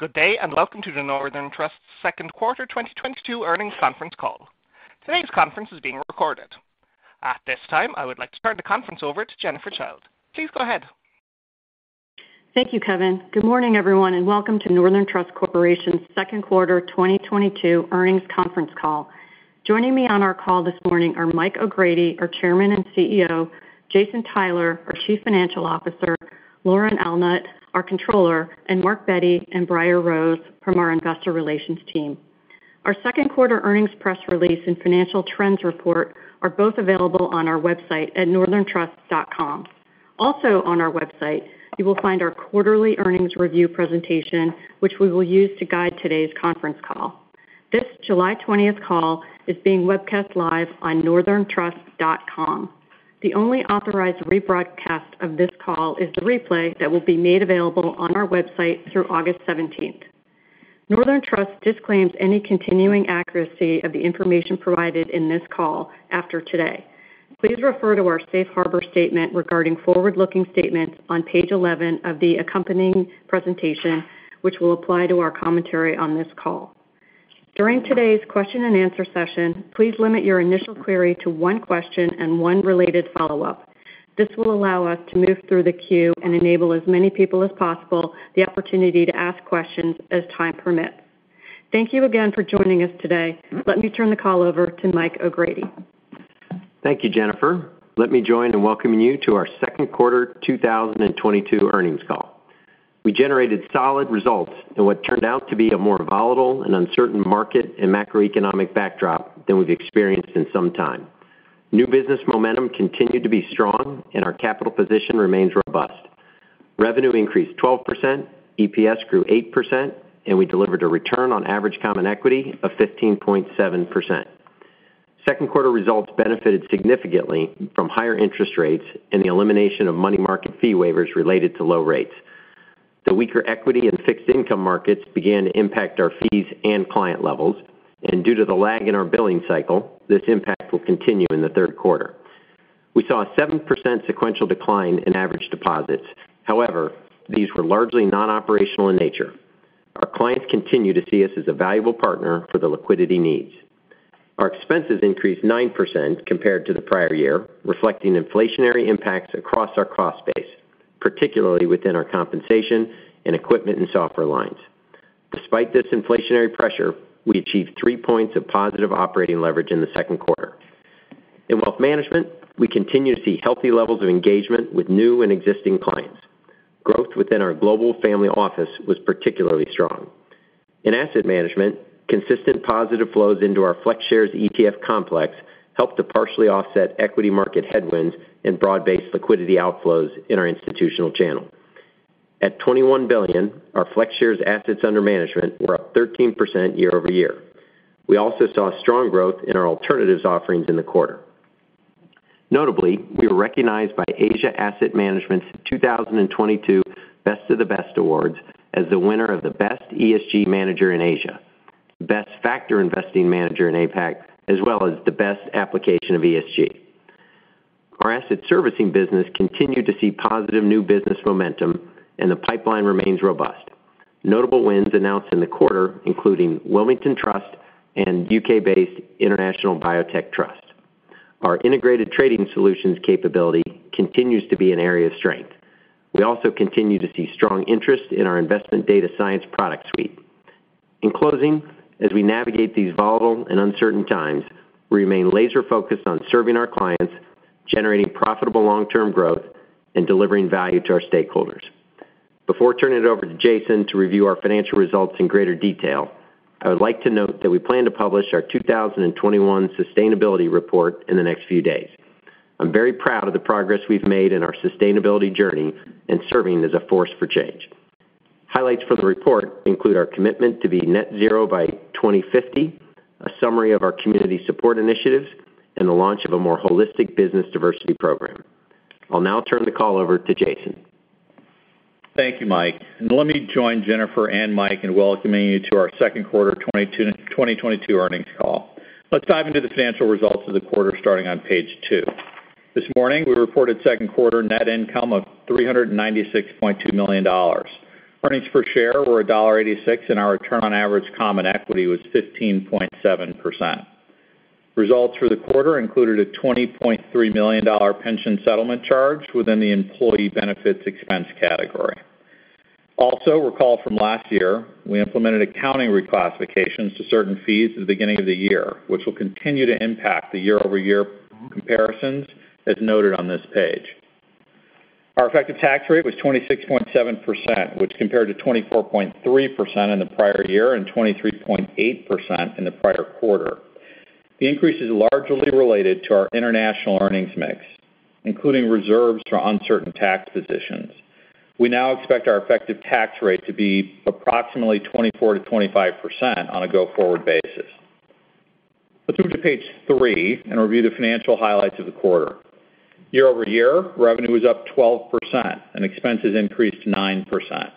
Good day, and welcome to the Northern Trust second quarter 2022 earnings conference call. Today's conference is being recorded. At this time, I would like to turn the conference over to Jennifer Childe. Please go ahead. Thank you, Kevin. Good morning, everyone, and welcome to Northern Trust Corporation second quarter 2022 earnings conference call. Joining me on our call this morning are Mike O'Grady, our Chairman and CEO, Jason Tyler, our Chief Financial Officer, Lauren Allnutt, our Controller, and Mark Bette and Briar Rose from our investor relations team. Our second quarter earnings press release and financial trends report are both available on our website at northerntrust.com. Also on our website, you will find our quarterly earnings review presentation, which we will use to guide today's conference call. This July 20 call is being webcast live on northerntrust.com. The only authorized rebroadcast of this call is the replay that will be made available on our website through August 17. Northern Trust disclaims any continuing accuracy of the information provided in this call after today. Please refer to our Safe Harbor Statement regarding forward-looking statements on page 11 of the accompanying presentation, which will apply to our commentary on this call. During today's question and answer session, please limit your initial query to one question and one related follow-up. This will allow us to move through the queue and enable as many people as possible the opportunity to ask questions as time permits. Thank you again for joining us today. Let me turn the call over to Mike O'Grady. Thank you, Jennifer. Let me join in welcoming you to our second quarter 2022 earnings call. We generated solid results in what turned out to be a more volatile and uncertain market and macroeconomic backdrop than we've experienced in some time. New business momentum continued to be strong and our capital position remains robust. Revenue increased 12%, EPS grew 8%, and we delivered a return on average common equity of 15.7%. Second quarter results benefited significantly from higher interest rates and the elimination of money market fee waivers related to low rates. The weaker equity and fixed income markets began to impact our fees and client levels, and due to the lag in our billing cycle, this impact will continue in the third quarter. We saw a 7% sequential decline in average deposits. However, these were largely non-operational in nature. Our clients continue to see us as a valuable partner for the liquidity needs. Our expenses increased 9% compared to the prior year, reflecting inflationary impacts across our cost base, particularly within our compensation and equipment and software lines. Despite this inflationary pressure, we achieved three points of positive operating leverage in the second quarter. In wealth management, we continue to see healthy levels of engagement with new and existing clients. Growth within our Global Family Office was particularly strong. In asset management, consistent positive flows into our FlexShares ETF complex helped to partially offset equity market headwinds and broad-based liquidity outflows in our institutional channel. At $21 billion, our FlexShares assets under management were up 13% year-over-year. We also saw strong growth in our alternatives offerings in the quarter. Notably, we were recognized by Asia Asset Management's 2022 Best of the Best awards as the winner of the best ESG manager in Asia, best factor investing manager in APAC, as well as the best application of ESG. Our asset servicing business continued to see positive new business momentum, and the pipeline remains robust. Notable wins announced in the quarter including Wilmington Trust and UK-based International Biotechnology Trust. Our integrated trading solutions capability continues to be an area of strength. We also continue to see strong interest in our investment data science product suite. In closing, as we navigate these volatile and uncertain times, we remain laser-focused on serving our clients, generating profitable long-term growth, and delivering value to our stakeholders. Before turning it over to Jason to review our financial results in greater detail, I would like to note that we plan to publish our 2021 sustainability report in the next few days. I'm very proud of the progress we've made in our sustainability journey and serving as a force for change. Highlights for the report include our commitment to be net zero by 2050, a summary of our community support initiatives, and the launch of a more holistic business diversity program. I'll now turn the call over to Jason. Thank you, Mike. Let me join Jennifer and Mike in welcoming you to our second quarter 2022 earnings call. Let's dive into the financial results of the quarter starting on page 2. This morning, we reported second quarter net income of $396.2 million. Earnings per share were $1.86, and our return on average common equity was 15.7%. Results for the quarter included a $20.3 million pension settlement charge within the employee benefits expense category. Also, recall from last year, we implemented accounting reclassifications to certain fees at the beginning of the year, which will continue to impact the year-over-year comparisons as noted on this page. Our effective tax rate was 26.7%, which compared to 24.3% in the prior year and 23.8% in the prior quarter. The increase is largely related to our international earnings mix, including reserves for uncertain tax positions. We now expect our effective tax rate to be approximately 24%-25% on a go-forward basis. Let's move to page 3 and review the financial highlights of the quarter. Year-over-year, revenue was up 12% and expenses increased 9%.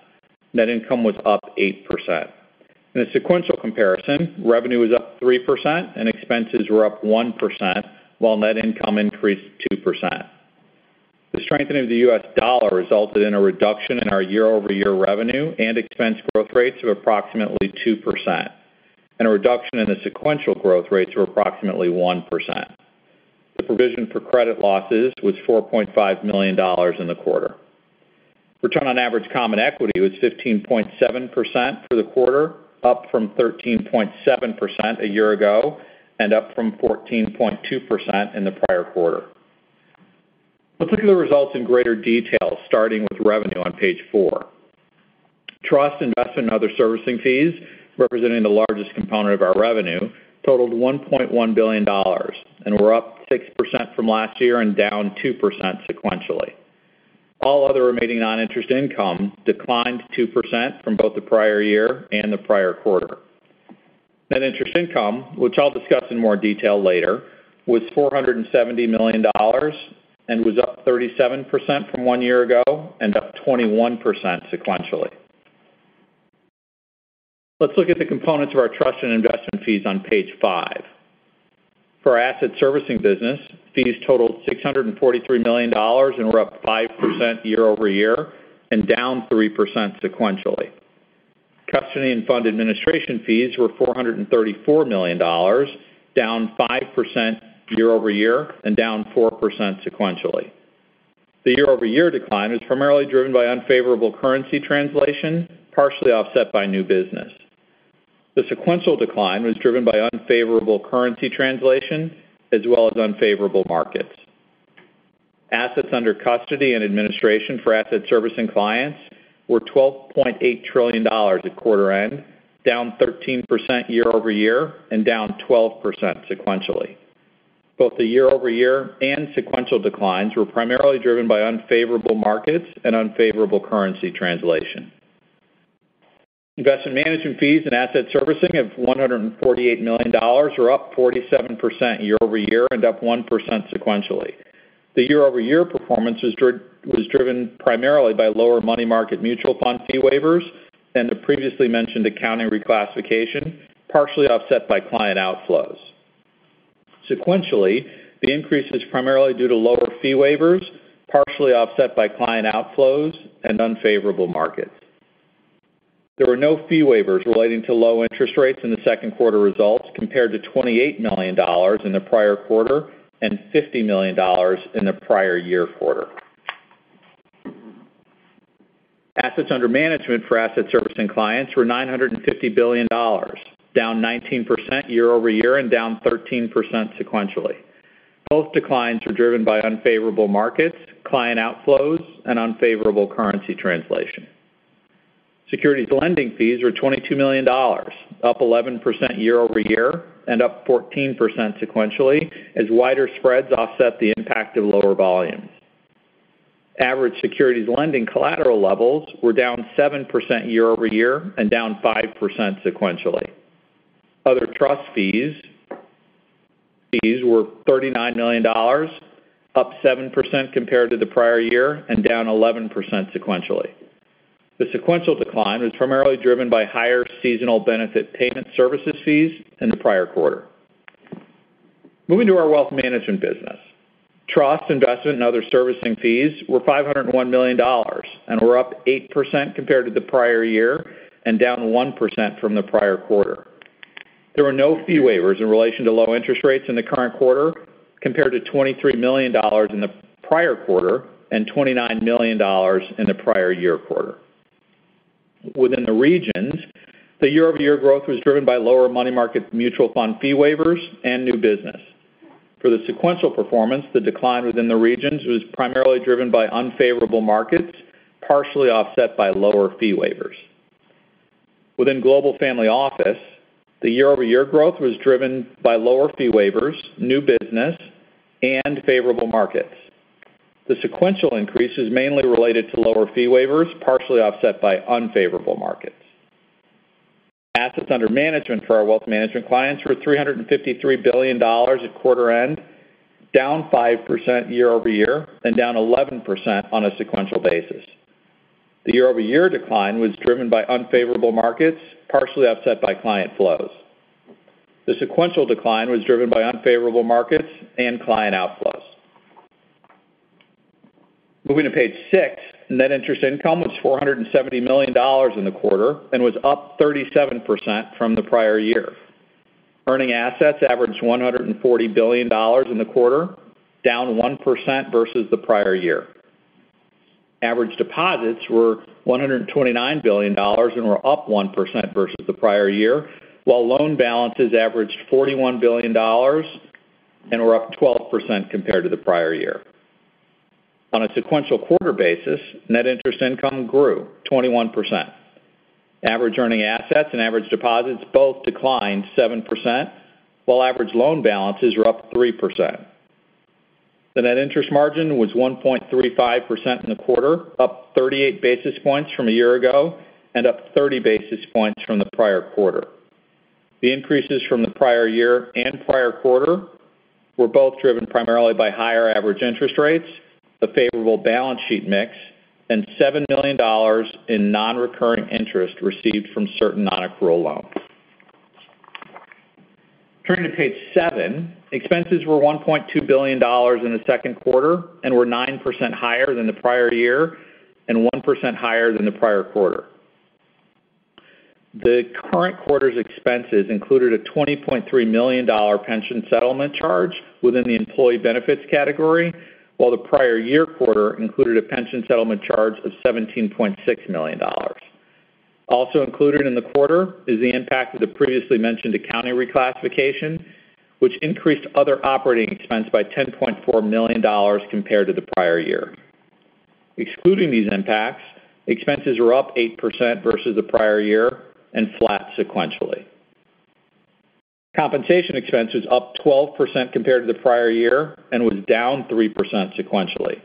Net income was up 8%. In a sequential comparison, revenue was up 3% and expenses were up 1%, while net income increased 2%. The strengthening of the U.S. dollar resulted in a reduction in our year-over-year revenue and expense growth rates of approximately 2%, and a reduction in the sequential growth rates of approximately 1%. The provision for credit losses was $4.5 million in the quarter. Return on average common equity was 15.7% for the quarter, up from 13.7% a year ago and up from 14.2% in the prior quarter. Let's look at the results in greater detail, starting with revenue on page four. Trust, investment, and other servicing fees, representing the largest component of our revenue, totaled $1.1 billion and were up 6% from last year and down 2% sequentially. All other remaining non-interest income declined 2% from both the prior year and the prior quarter. Net interest income, which I'll discuss in more detail later, was $470 million and was up 37% from one year ago and up 21% sequentially. Let's look at the components of our trust and investment fees on page five. For our asset servicing business, fees totaled $643 million and were up 5% year-over-year and down 3% sequentially. Custody and fund administration fees were $434 million, down 5% year-over-year and down 4% sequentially. The year-over-year decline was primarily driven by unfavorable currency translation, partially offset by new business. The sequential decline was driven by unfavorable currency translation as well as unfavorable markets. Assets under custody and administration for asset servicing clients were $12.8 trillion at quarter end, down 13% year-over-year and down 12% sequentially. Both the year-over-year and sequential declines were primarily driven by unfavorable markets and unfavorable currency translation. Investment management fees and asset servicing of $148 million were up 47% year-over-year and up 1% sequentially. The year-over-year performance was driven primarily by lower money market mutual fund fee waivers and the previously mentioned accounting reclassification, partially offset by client outflows. Sequentially, the increase is primarily due to lower fee waivers, partially offset by client outflows and unfavorable markets. There were no fee waivers relating to low interest rates in the second quarter results compared to $28 million in the prior quarter and $50 million in the prior year quarter. Assets under management for asset servicing clients were $950 billion, down 19% year-over-year and down 13% sequentially. Both declines were driven by unfavorable markets, client outflows, and unfavorable currency translation. Securities lending fees were $22 million, up 11% year-over-year and up 14% sequentially as wider spreads offset the impact of lower volumes. Average securities lending collateral levels were down 7% year-over-year and down 5% sequentially. Other trust fees were $39 million, up 7% compared to the prior year and down 11% sequentially. The sequential decline was primarily driven by higher seasonal benefit payment services fees in the prior quarter. Moving to our wealth management business. Trust, investment, and other servicing fees were $501 million and were up 8% compared to the prior year and down 1% from the prior quarter. There were no fee waivers in relation to low interest rates in the current quarter compared to $23 million in the prior quarter and $29 million in the prior year quarter. Within the regions, the year-over-year growth was driven by lower money market mutual fund fee waivers and new business. For the sequential performance, the decline within the regions was primarily driven by unfavorable markets, partially offset by lower fee waivers. Within Global Family Office, the year-over-year growth was driven by lower fee waivers, new business, and favorable markets. The sequential increase is mainly related to lower fee waivers, partially offset by unfavorable markets. Assets under management for our wealth management clients were $353 billion at quarter end, down 5% year-over-year and down 11% on a sequential basis. The year-over-year decline was driven by unfavorable markets, partially offset by client flows. The sequential decline was driven by unfavorable markets and client outflows. Moving to page 6. Net interest income was $470 million in the quarter and was up 37% from the prior year. Earning assets averaged $140 billion in the quarter, down 1% versus the prior year. Average deposits were $129 billion and were up 1% versus the prior year, while loan balances averaged $41 billion and were up 12% compared to the prior year. On a sequential quarter basis, net interest income grew 21%. Average earning assets and average deposits both declined 7%, while average loan balances were up 3%. The net interest margin was 1.35% in the quarter, up 38 basis points from a year ago and up 30 basis points from the prior quarter. The increases from the prior year and prior quarter were both driven primarily by higher average interest rates, the favorable balance sheet mix, and $7 million in non-recurring interest received from certain non-accrual loans. Turning to page seven. Expenses were $1.2 billion in the second quarter and were 9% higher than the prior year and 1% higher than the prior quarter. The current quarter's expenses included a $20.3 million pension settlement charge within the employee benefits category, while the prior year quarter included a pension settlement charge of $17.6 million. Also included in the quarter is the impact of the previously mentioned accounting reclassification, which increased other operating expense by $10.4 million compared to the prior year. Excluding these impacts, expenses were up 8% versus the prior year and flat sequentially. Compensation expense was up 12% compared to the prior year and was down 3% sequentially.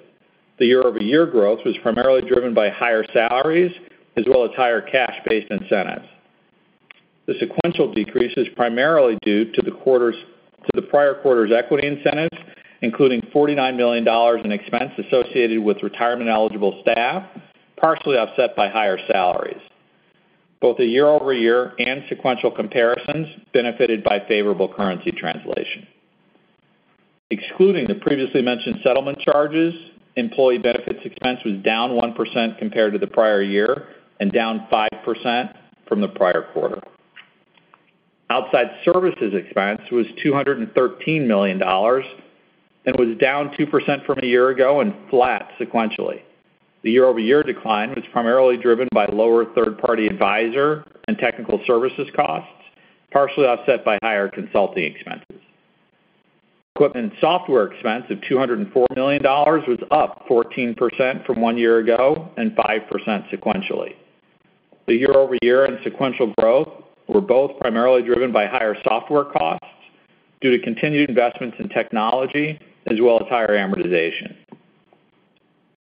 The year-over-year growth was primarily driven by higher salaries as well as higher cash-based incentives. The sequential decrease is primarily due to the prior quarter's equity incentives, including $49 million in expense associated with retirement-eligible staff, partially offset by higher salaries. Both the year-over-year and sequential comparisons benefited by favorable currency translation. Excluding the previously mentioned settlement charges, employee benefits expense was down 1% compared to the prior year and down 5% from the prior quarter. Outside services expense was $213 million and was down 2% from a year ago and flat sequentially. The year-over-year decline was primarily driven by lower third-party advisor and technical services costs, partially offset by higher consulting expenses. Equipment and software expense of $204 million was up 14% from one year ago and 5% sequentially. The year-over-year and sequential growth were both primarily driven by higher software costs due to continued investments in technology as well as higher amortization.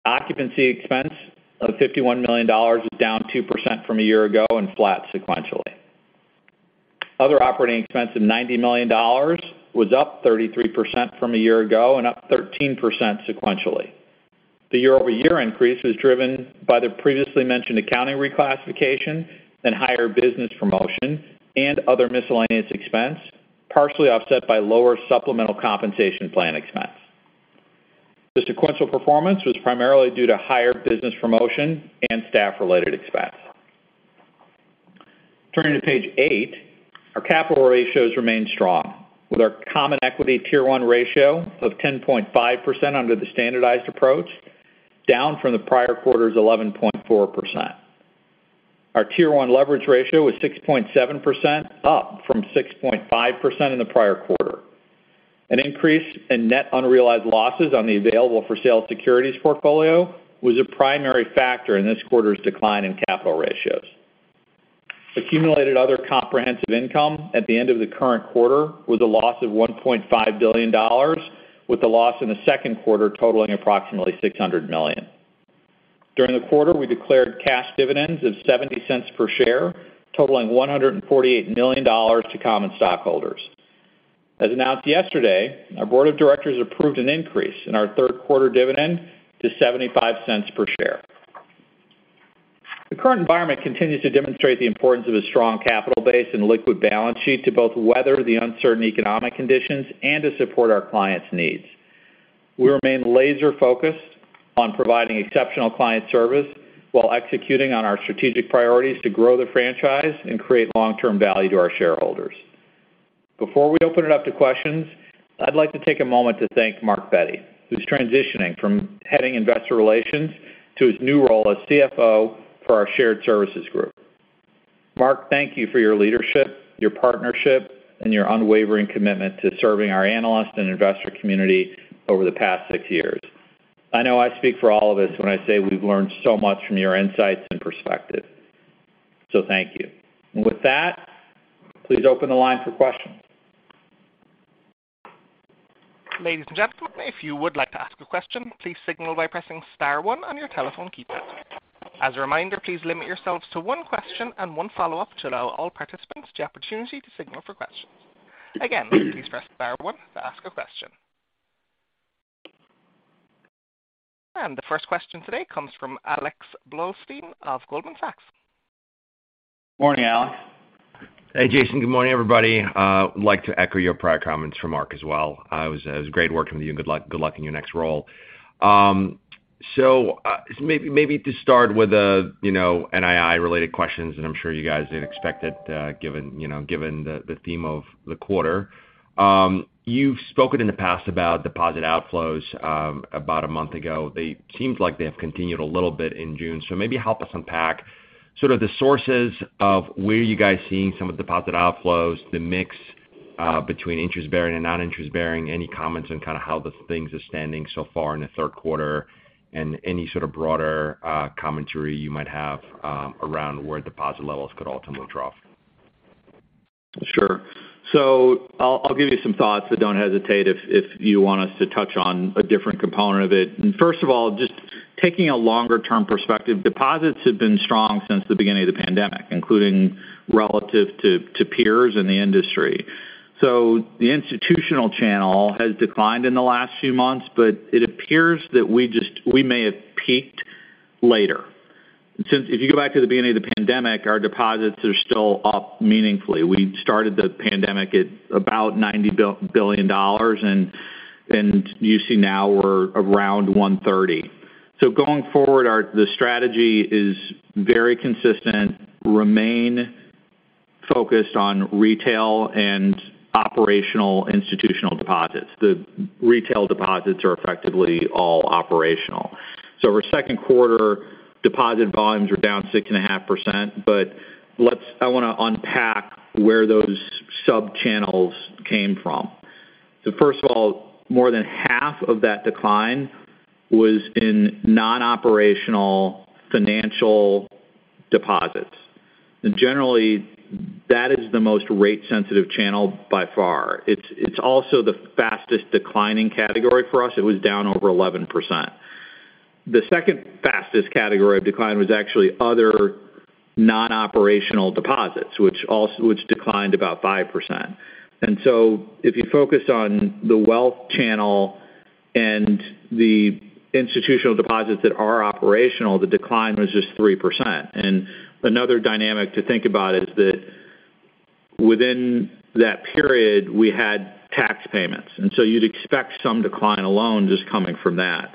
Occupancy expense of $51 million was down 2% from a year ago and flat sequentially. Other operating expense of $90 million was up 33% from a year ago and up 13% sequentially. The year-over-year increase was driven by the previously mentioned accounting reclassification and higher business promotion and other miscellaneous expense, partially offset by lower supplemental compensation plan expense. The sequential performance was primarily due to higher business promotion and staff-related expense. Turning to page 8. Our capital ratios remain strong, with our common equity Tier 1 ratio of 10.5% under the standardized approach down from the prior quarter's 11.4%. Our Tier 1 leverage ratio was 6.7%, up from 6.5% in the prior quarter. An increase in net unrealized losses on the available-for-sale securities portfolio was a primary factor in this quarter's decline in capital ratios. Accumulated other comprehensive income at the end of the current quarter was a loss of $1.5 billion, with the loss in the second quarter totaling approximately $600 million. During the quarter, we declared cash dividends of $0.70 per share, totaling $148 million to common stockholders. As announced yesterday, our board of directors approved an increase in our third quarter dividend to $0.75 per share. The current environment continues to demonstrate the importance of a strong capital base and liquid balance sheet to both weather the uncertain economic conditions and to support our clients' needs. We remain laser-focused on providing exceptional client service while executing on our strategic priorities to grow the franchise and create long-term value to our shareholders. Before we open it up to questions, I'd like to take a moment to thank Mark Bette, who's transitioning from heading Investor Relations to his new role as CFO for our Shared Services group. Mark, thank you for your leadership, your partnership, and your unwavering commitment to serving our analyst and investor community over the past six years. I know I speak for all of us when I say we've learned so much from your insights and perspective. Thank you. With that, please open the line for questions. Ladies and gentlemen, if you would like to ask a question, please signal by pressing star one on your telephone keypad. As a reminder, please limit yourselves to one question and one follow-up to allow all participants the opportunity to signal for questions. Again, please press star one to ask a question. The first question today comes from Alex Blostein of Goldman Sachs. Morning, Alex. Hey, Jason. Good morning, everybody. I'd like to echo your prior comments for Mark as well. It was great working with you. Good luck in your next role. Maybe to start with a, you know, NII-related questions that I'm sure you guys had expected, given, you know, given the theme of the quarter. You've spoken in the past about deposit outflows, about a month ago. It seems like they have continued a little bit in June. Maybe help us unpack sort of the sources of where you guys seeing some of the deposit outflows, the mix between interest-bearing and non-interest-bearing, any comments on kind of how the things are standing so far in the third quarter and any sort of broader commentary you might have around where deposit levels could ultimately drop. Sure. I'll give you some thoughts, but don't hesitate if you want us to touch on a different component of it. First of all, just taking a longer-term perspective, deposits have been strong since the beginning of the pandemic, including relative to peers in the industry. The institutional channel has declined in the last few months, but it appears that we may have peaked later. If you go back to the beginning of the pandemic, our deposits are still up meaningfully. We started the pandemic at about $90 billion, and you see now we're around $130 billion. Going forward, the strategy is very consistent, remain focused on retail and operational institutional deposits. The retail deposits are effectively all operational. Our second quarter deposit volumes are down 6.5%, but let's, I wanna unpack where those sub-channels came from. First of all, more than half of that decline was in non-operational financial deposits. Generally, that is the most rate-sensitive channel by far. It's also the fastest declining category for us. It was down over 11%. The second fastest category of decline was actually other non-operational deposits, which declined about 5%. If you focus on the wealth channel and the institutional deposits that are operational, the decline was just 3%. Another dynamic to think about is that within that period, we had tax payments, and so you'd expect some decline alone just coming from that.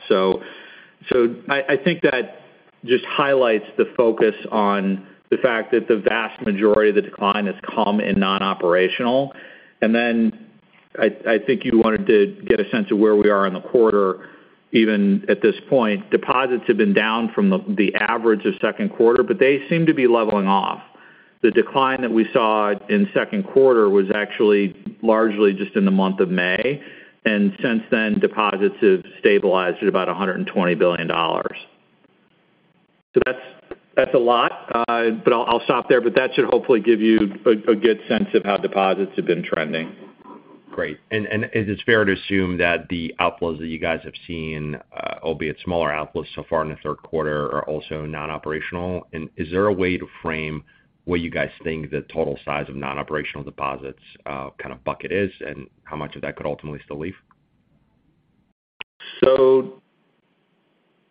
I think that just highlights the focus on the fact that the vast majority of the decline has come in non-operational. I think you wanted to get a sense of where we are in the quarter, even at this point. Deposits have been down from the average of second quarter, but they seem to be leveling off. The decline that we saw in second quarter was actually largely just in the month of May, and since then, deposits have stabilized at about $120 billion. That's a lot, but I'll stop there, but that should hopefully give you a good sense of how deposits have been trending. Great. Is it fair to assume that the outflows that you guys have seen, albeit smaller outflows so far in the third quarter, are also non-operational? Is there a way to frame what you guys think the total size of non-operational deposits, kind of bucket is, and how much of that could ultimately still leave?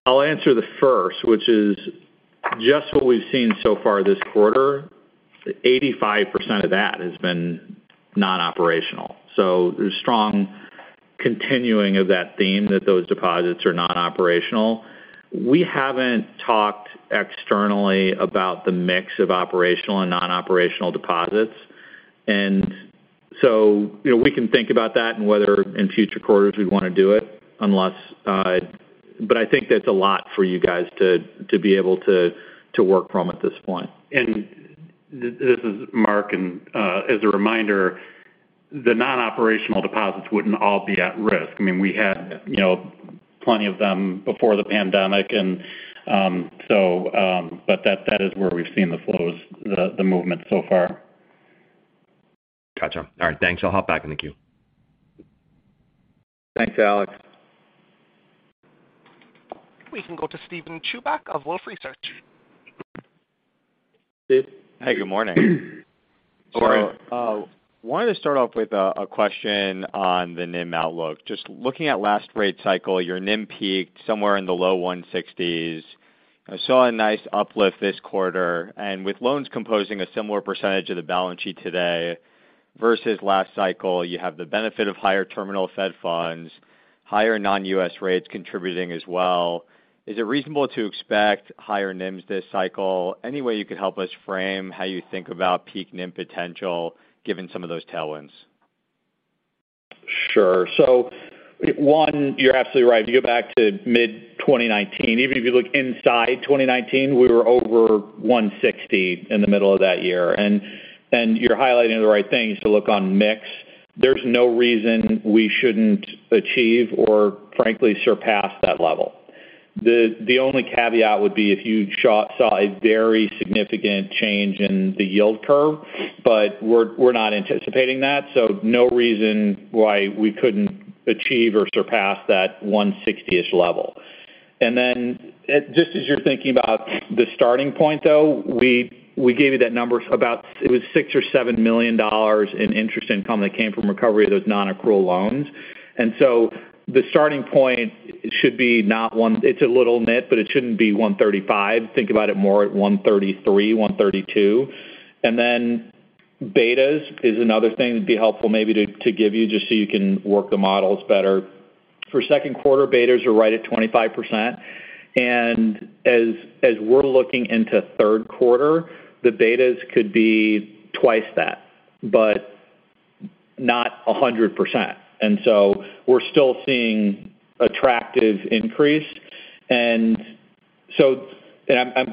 I'll answer the first, which is just what we've seen so far this quarter, 85% of that has been non-operational. There's strong continuing of that theme that those deposits are non-operational. We haven't talked externally about the mix of operational and non-operational deposits. You know, we can think about that and whether in future quarters we'd wanna do it. I think that's a lot for you guys to be able to work from at this point. This is Mark. As a reminder, the non-operational deposits wouldn't all be at risk. I mean, we had, you know, plenty of them before the pandemic. That is where we've seen the flows, the movement so far. Gotcha. All right. Thanks. I'll hop back in the queue. Thanks, Alex. We can go to Steven Chubak of Wolfe Research. Hey, good morning. Good morning. Wanted to start off with a question on the NIM outlook. Just looking at last rate cycle, your NIM peaked somewhere in the low 160s. I saw a nice uplift this quarter. With loans composing a similar percentage of the balance sheet today versus last cycle, you have the benefit of higher terminal Fed funds, higher non-US rates contributing as well. Is it reasonable to expect higher NIMs this cycle? Any way you could help us frame how you think about peak NIM potential given some of those tailwinds? Sure. One, you're absolutely right. If you go back to mid-2019, even if you look inside 2019, we were over 160 in the middle of that year. You're highlighting the right things to look on mix. There's no reason we shouldn't achieve or frankly surpass that level. The only caveat would be if you saw a very significant change in the yield curve, but we're not anticipating that, so no reason why we couldn't achieve or surpass that one-sixty-ish level. Then just as you're thinking about the starting point, though, we gave you that number about it was $6 million or $7 million in interest income that came from recovery of those non-accrual loans. The starting point should be not one. It's a little nit, but it shouldn't be 135. Think about it more at 1.33, 1.32. Then betas is another thing that'd be helpful maybe to give you just so you can work the models better. For second quarter, betas are right at 25%. As we're looking into third quarter, the betas could be twice that, but not 100%. We're still seeing attractive increase. I'm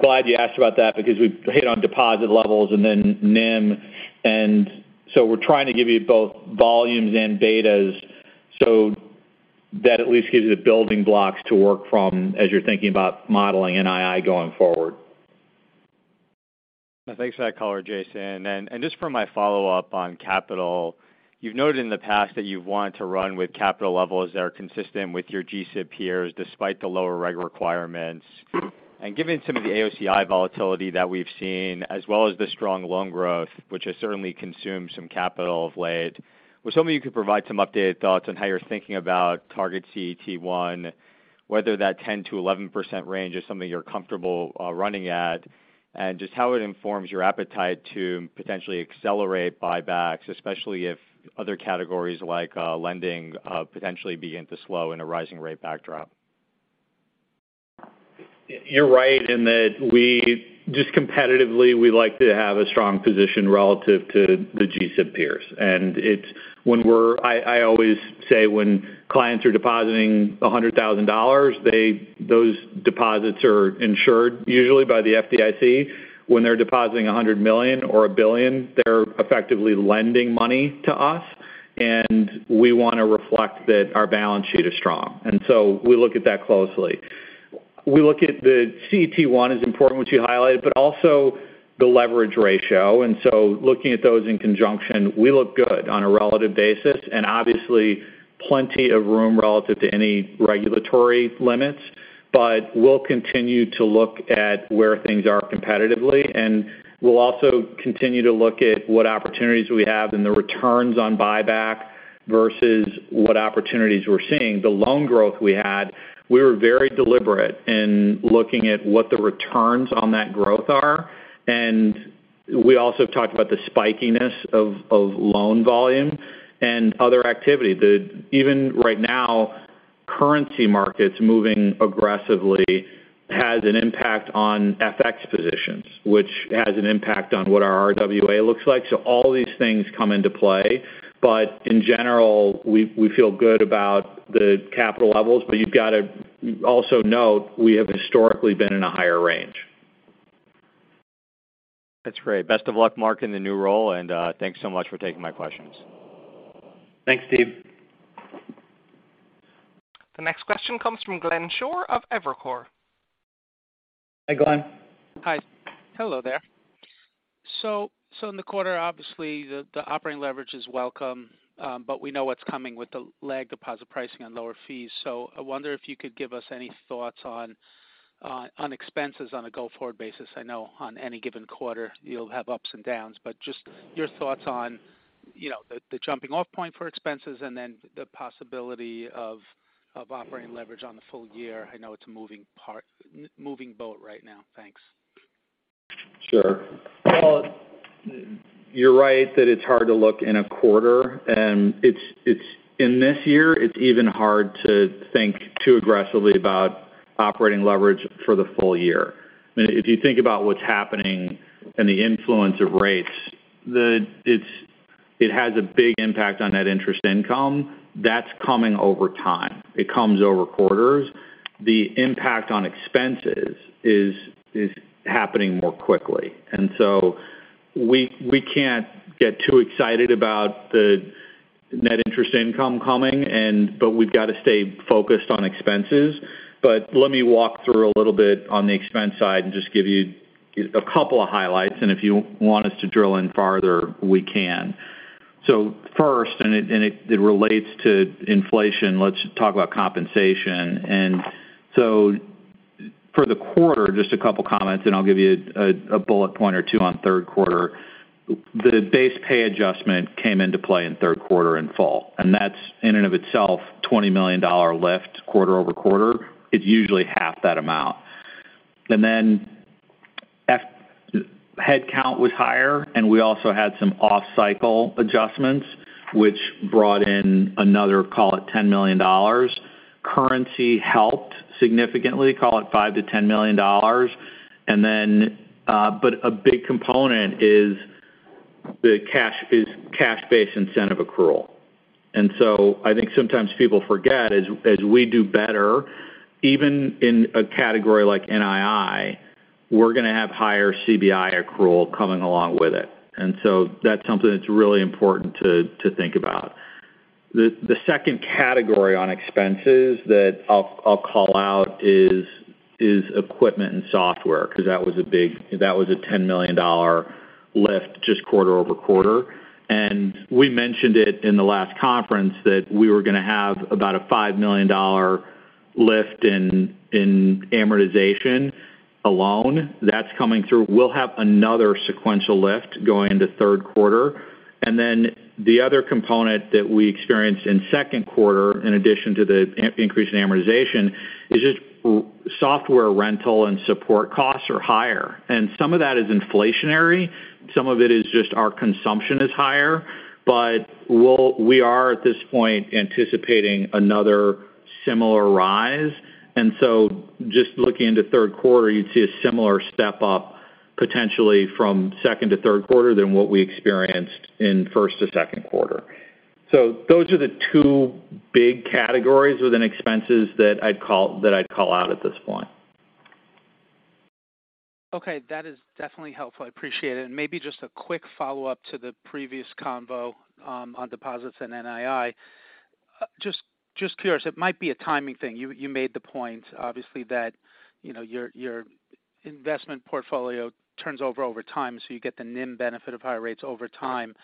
glad you asked about that because we've hit on deposit levels and then NIM. We're trying to give you both volumes and betas so that at least gives you the building blocks to work from as you're thinking about modeling NII going forward. Thanks for that color, Jason. Just for my follow-up on capital, you've noted in the past that you want to run with capital levels that are consistent with your G-SIB peers despite the lower reg requirements. Given some of the AOCI volatility that we've seen, as well as the strong loan growth, which has certainly consumed some capital of late, was hoping you could provide some updated thoughts on how you're thinking about target CET1 whether that 10%-11% range is something you're comfortable running at, and just how it informs your appetite to potentially accelerate buybacks, especially if other categories like lending potentially begin to slow in a rising rate backdrop. You're right in that we just competitively, we like to have a strong position relative to the GSIB peers. I always say when clients are depositing $100,000, those deposits are insured usually by the FDIC. When they're depositing $100 million or $1 billion, they're effectively lending money to us, and we wanna reflect that our balance sheet is strong. We look at that closely. We look at the CET1 is important, which you highlighted, but also the leverage ratio. Looking at those in conjunction, we look good on a relative basis. Obviously, plenty of room relative to any regulatory limits. We'll continue to look at where things are competitively, and we'll also continue to look at what opportunities we have in the returns on buyback versus what opportunities we're seeing. The loan growth we had, we were very deliberate in looking at what the returns on that growth are. We also talked about the spikiness of loan volume and other activity. Even right now, currency markets moving aggressively has an impact on FX positions, which has an impact on what our RWA looks like. All these things come into play. In general, we feel good about the capital levels. You've got to also note we have historically been in a higher range. That's great. Best of luck, Mark, in the new role, and thanks so much for taking my questions. Thanks, Steven. The next question comes from Glenn Schorr of Evercore. Hi, Glenn. Hi. Hello there. In the quarter, obviously the operating leverage is welcome, but we know what's coming with the lag deposit pricing and lower fees. I wonder if you could give us any thoughts on expenses on a go-forward basis. I know on any given quarter you'll have ups and downs, but just your thoughts on, you know, the jumping off point for expenses and then the possibility of operating leverage on the full year. I know it's a moving boat right now. Thanks. Sure. Well, you're right that it's hard to look in a quarter. In this year, it's even hard to think too aggressively about operating leverage for the full year. If you think about what's happening and the influence of rates, it has a big impact on net interest income. That's coming over time. It comes over quarters. The impact on expenses is happening more quickly. We can't get too excited about the net interest income coming, but we've got to stay focused on expenses. Let me walk through a little bit on the expense side and just give you a couple of highlights, and if you want us to drill in farther, we can. First, and it relates to inflation, let's talk about compensation. For the quarter, just a couple comments, and I'll give you a bullet point or two on third quarter. The base pay adjustment came into play in third quarter in full, and that's in and of itself $20 million lift quarter over quarter. It's usually half that amount. Headcount was higher, and we also had some off-cycle adjustments which brought in another, call it $10 million. Currency helped significantly, call it $5-$10 million. But a big component is the cash is cash-based incentive accrual. I think sometimes people forget, as we do better, even in a category like NII, we're gonna have higher CBI accrual coming along with it. That's something that's really important to think about. The second category on expenses that I'll call out is equipment and software because that was a $10 million lift just quarter-over-quarter. We mentioned it in the last conference that we were gonna have about a $5 million lift in amortization alone. That's coming through. We'll have another sequential lift going into third quarter. The other component that we experienced in second quarter, in addition to the increase in amortization, is just software rental and support costs are higher. Some of that is inflationary. Some of it is just our consumption is higher. But we are, at this point, anticipating another similar rise. Just looking into third quarter, you'd see a similar step-up potentially from second to third quarter than what we experienced in first to second quarter. Those are the two big categories within expenses that I'd call out at this point. Okay. That is definitely helpful. I appreciate it. Maybe just a quick follow-up to the previous convo on deposits and NII. Just curious, it might be a timing thing. You made the point, obviously, that, you know, your investment portfolio turns over time, so you get the NIM benefit of higher rates over time.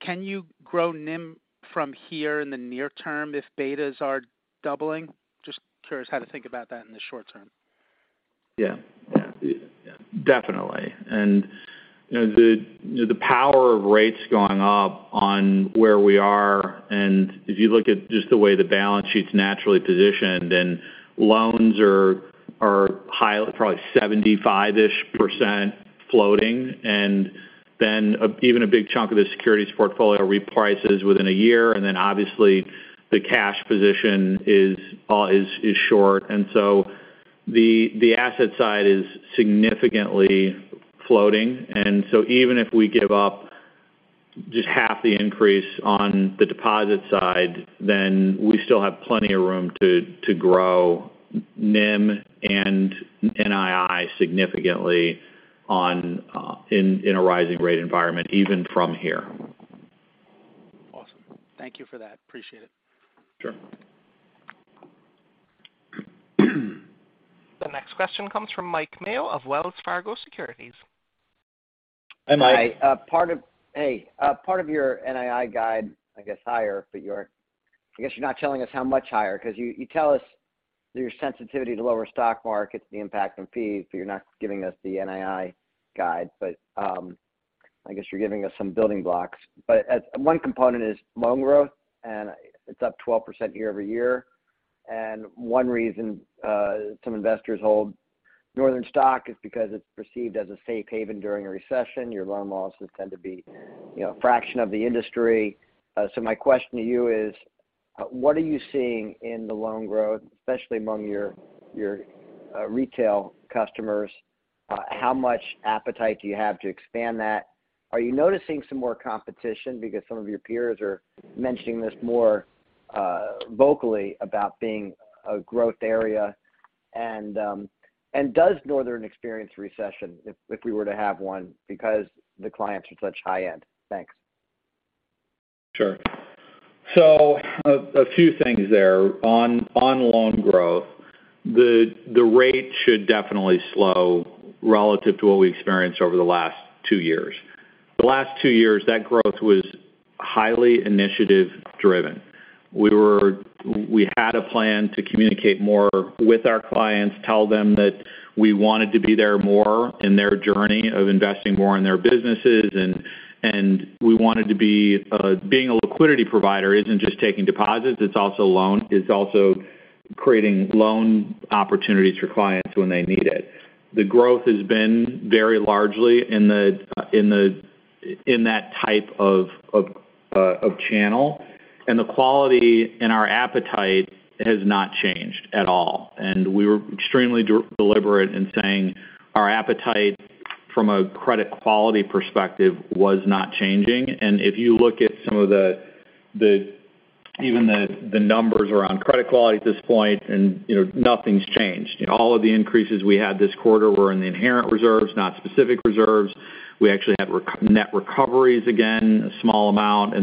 Can you grow NIM from here in the near term if betas are doubling? Just curious how to think about that in the short term. Yeah. Definitely. You know, the power of rates going up on where we are. If you look at just the way the balance sheet's naturally positioned, loans are high, probably 75-ish% floating. Even a big chunk of the securities portfolio reprices within a year. Obviously, the cash position is short. The asset side is significantly floating. Even if we give up just half the increase on the deposit side, we still have plenty of room to grow NIM and NII significantly in a rising rate environment, even from here. Awesome. Thank you for that. Appreciate it. Sure. The next question comes from Mike Mayo of Wells Fargo Securities. Hi, Mike. Hi. Part of your NII guide, I guess, higher, but you're, I guess, not telling us how much higher, 'cause you tell us your sensitivity to lower stock markets, the impact on fees, but you're not giving us the NII guide. I guess you're giving us some building blocks. One component is loan growth, and it's up 12% year-over-year. One reason some investors hold Northern stock is because it's perceived as a safe haven during a recession. Your loan losses tend to be, you know, a fraction of the industry. My question to you is, what are you seeing in the loan growth, especially among your retail customers? How much appetite do you have to expand that? Are you noticing some more competition because some of your peers are mentioning this more, vocally about being a growth area? Does Northern experience recession if we were to have one because the clients are such high-end? Thanks. Sure. A few things there. On loan growth, the rate should definitely slow relative to what we experienced over the last two years. The last two years, that growth was highly initiative-driven. We had a plan to communicate more with our clients, tell them that we wanted to be there more in their journey of investing more in their businesses. We wanted to be, being a liquidity provider isn't just taking deposits, it's also creating loan opportunities for clients when they need it. The growth has been very largely in that type of channel, and the quality and our appetite has not changed at all. We were extremely deliberate in saying our appetite from a credit quality perspective was not changing. If you look at some of the even numbers around credit quality at this point and, you know, nothing's changed. All of the increases we had this quarter were in the inherent reserves, not specific reserves. We actually had net recoveries again, a small amount.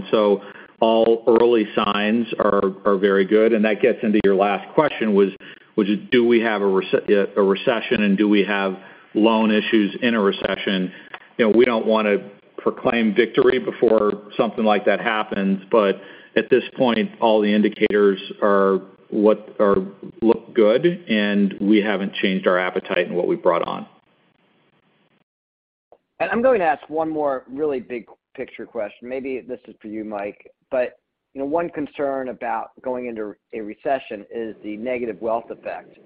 All early signs are very good. That gets into your last question was, which is do we have a recession and do we have loan issues in a recession? You know, we don't wanna proclaim victory before something like that happens, but at this point, all the indicators look good, and we haven't changed our appetite in what we brought on. I'm going to ask one more really big picture question. Maybe this is for you, Mike. You know, one concern about going into a recession is the negative wealth effect.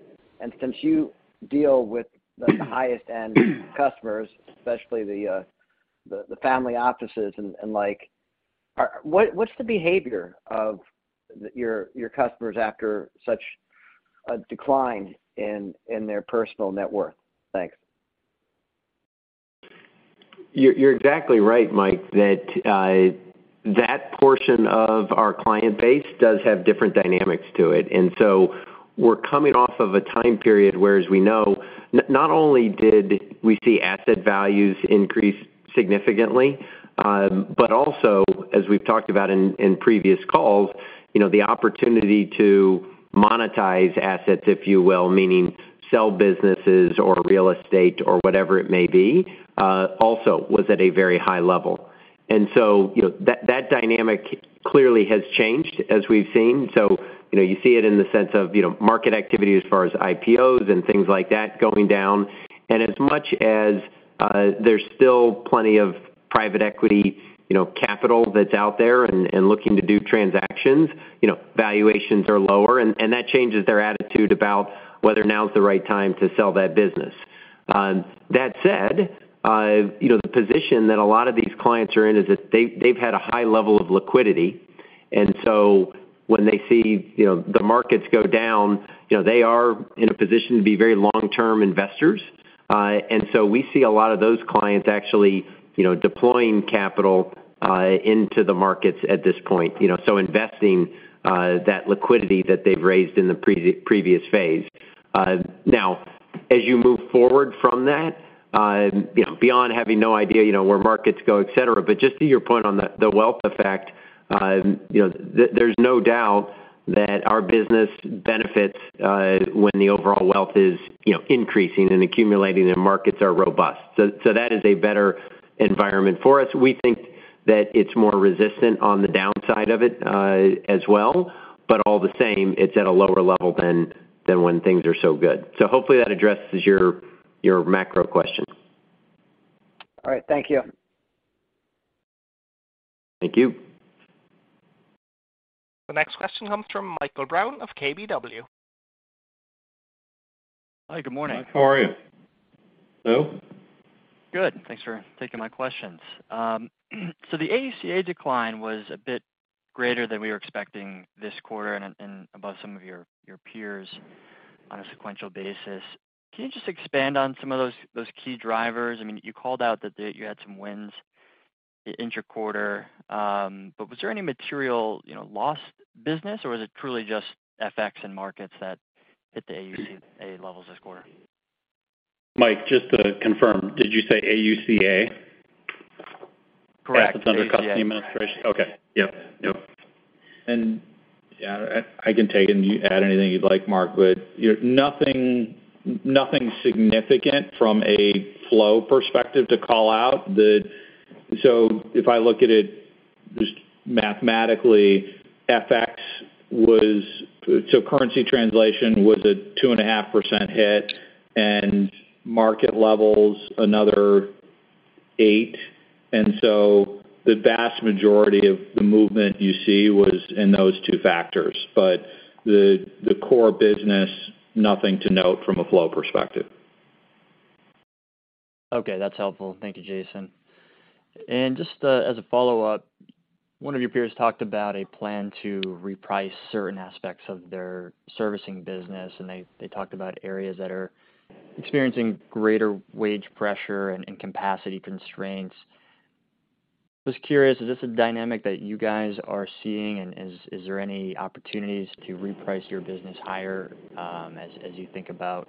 Since you deal with the highest-end customers, especially the family offices and like, what's the behavior of your customers after such a decline in their personal net worth? Thanks. You're exactly right, Mike, that portion of our client base does have different dynamics to it. We're coming off of a time period where as we know, not only did we see asset values increase significantly, but also, as we've talked about in previous calls, you know, the opportunity to monetize assets, if you will, meaning sell businesses or real estate or whatever it may be, also was at a very high level. You know, that dynamic clearly has changed, as we've seen. You see it in the sense of, you know, market activity as far as IPOs and things like that going down. As much as there's still plenty of private equity, you know, capital that's out there and looking to do transactions, you know, valuations are lower and that changes their attitude about whether now is the right time to sell that business. That said, you know, the position that a lot of these clients are in is that they've had a high level of liquidity. So when they see, you know, the markets go down, you know, they are in a position to be very long-term investors. So we see a lot of those clients actually, you know, deploying capital into the markets at this point. You know, so investing that liquidity that they've raised in the previous phase. Now, as you move forward from that, you know, beyond having no idea, you know, where markets go, et cetera. Just to your point on the wealth effect, you know, there's no doubt that our business benefits when the overall wealth is, you know, increasing and accumulating and markets are robust. That is a better environment for us. We think that it's more resistant on the downside of it, as well, but all the same, it's at a lower level than when things are so good. Hopefully that addresses your macro question. All right. Thank you. Thank you. The next question comes from Michael Brown of KBW. Hi, good morning. How are you, Bill. Good. Thanks for taking my questions. So the AUCA decline was a bit greater than we were expecting this quarter and above some of your peers on a sequential basis. Can you just expand on some of those key drivers? I mean, you called out that you had some wins inter-quarter, but was there any material, you know, lost business, or was it truly just FX and markets that hit the AUCA levels this quarter? Mike, just to confirm, did you say AUCA? Correct. Assets under custody administration. Okay. Yep. Yep. I can take it and you add anything you'd like, Mark, but nothing significant from a flow perspective to call out. If I look at it just mathematically, currency translation was a 2.5% hit and market levels another 8%. The vast majority of the movement you see was in those two factors. The core business, nothing to note from a flow perspective. Okay, that's helpful. Thank you, Jason. Just as a follow-up, one of your peers talked about a plan to reprice certain aspects of their servicing business, and they talked about areas that are experiencing greater wage pressure and capacity constraints. Just curious, is this a dynamic that you guys are seeing? Is there any opportunities to reprice your business higher, as you think about,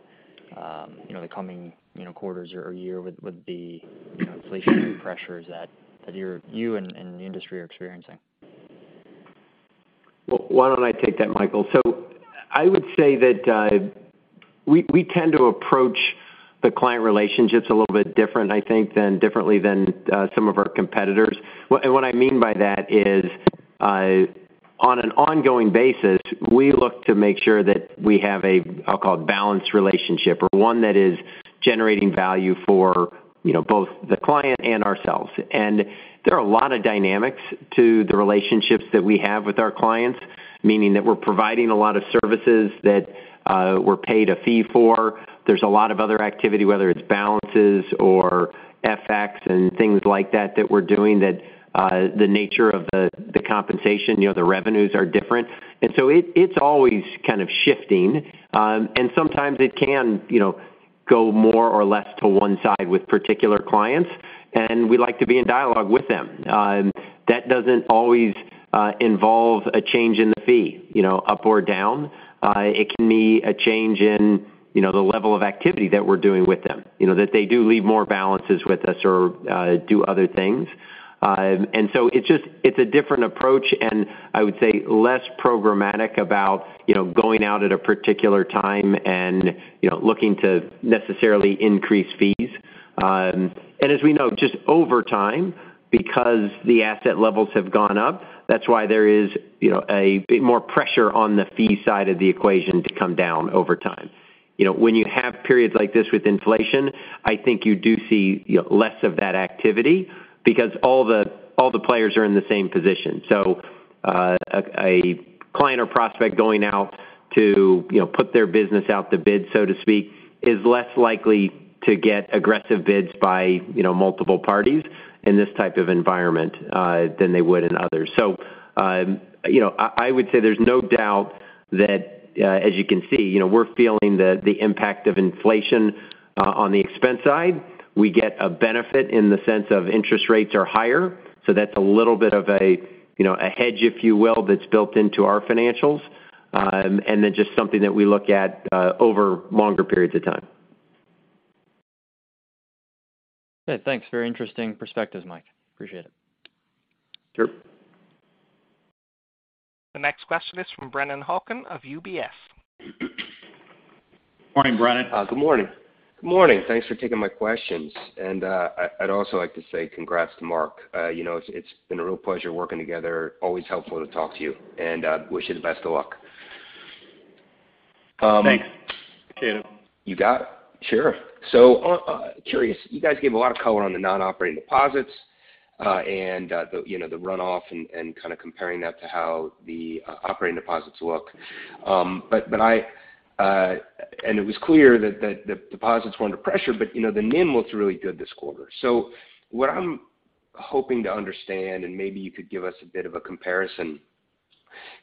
you know, the coming, you know, quarters or year with the, you know, inflation pressures that you and the industry are experiencing? Why don't I take that, Michael? I would say that we tend to approach the client relationships a little bit different, I think, than some of our competitors. What I mean by that is, on an ongoing basis, we look to make sure that we have a, I'll call it balanced relationship or one that is generating value for, you know, both the client and ourselves. There are a lot of dynamics to the relationships that we have with our clients, meaning that we're providing a lot of services that we're paid a fee for. There's a lot of other activity, whether it's balances or FX and things like that we're doing, that the nature of the compensation, you know, the revenues are different. It's always kind of shifting. Sometimes it can, you know, go more or less to one side with particular clients, and we like to be in dialogue with them. That doesn't always involve a change in the fee, you know, up or down. It can be a change in, you know, the level of activity that we're doing with them, you know, that they do leave more balances with us or do other things. It's just a different approach, and I would say less programmatic about, you know, going out at a particular time and, you know, looking to necessarily increase fees. As we know, just over time, because the asset levels have gone up, that's why there is, you know, a bit more pressure on the fee side of the equation to come down over time. You know, when you have periods like this with inflation, I think you do see less of that activity because all the players are in the same position. A client or prospect going out to, you know, put their business out to bid, so to speak, is less likely to get aggressive bids by, you know, multiple parties in this type of environment than they would in others. I would say there's no doubt that, as you can see, you know, we're feeling the impact of inflation on the expense side. We get a benefit in the sense of interest rates are higher. That's a little bit of a, you know, a hedge, if you will, that's built into our financials, and then just something that we look at over longer periods of time. Okay, thanks. Very interesting perspectives, Mike. Appreciate it. Sure. The next question is from Brennan Hawken of UBS. Morning, Brennan. Good morning. Good morning. Thanks for taking my questions. I'd also like to say congrats to Mark. You know, it's been a real pleasure working together. Always helpful to talk to you and wish you the best of luck. Thanks. Appreciate it. You got it. Sure. Curious, you guys gave a lot of color on the non-operating deposits, and you know the runoff and kind of comparing that to how the operating deposits look. It was clear that the deposits were under pressure, but you know the NIM looks really good this quarter. What I'm hoping to understand, and maybe you could give us a bit of a comparison.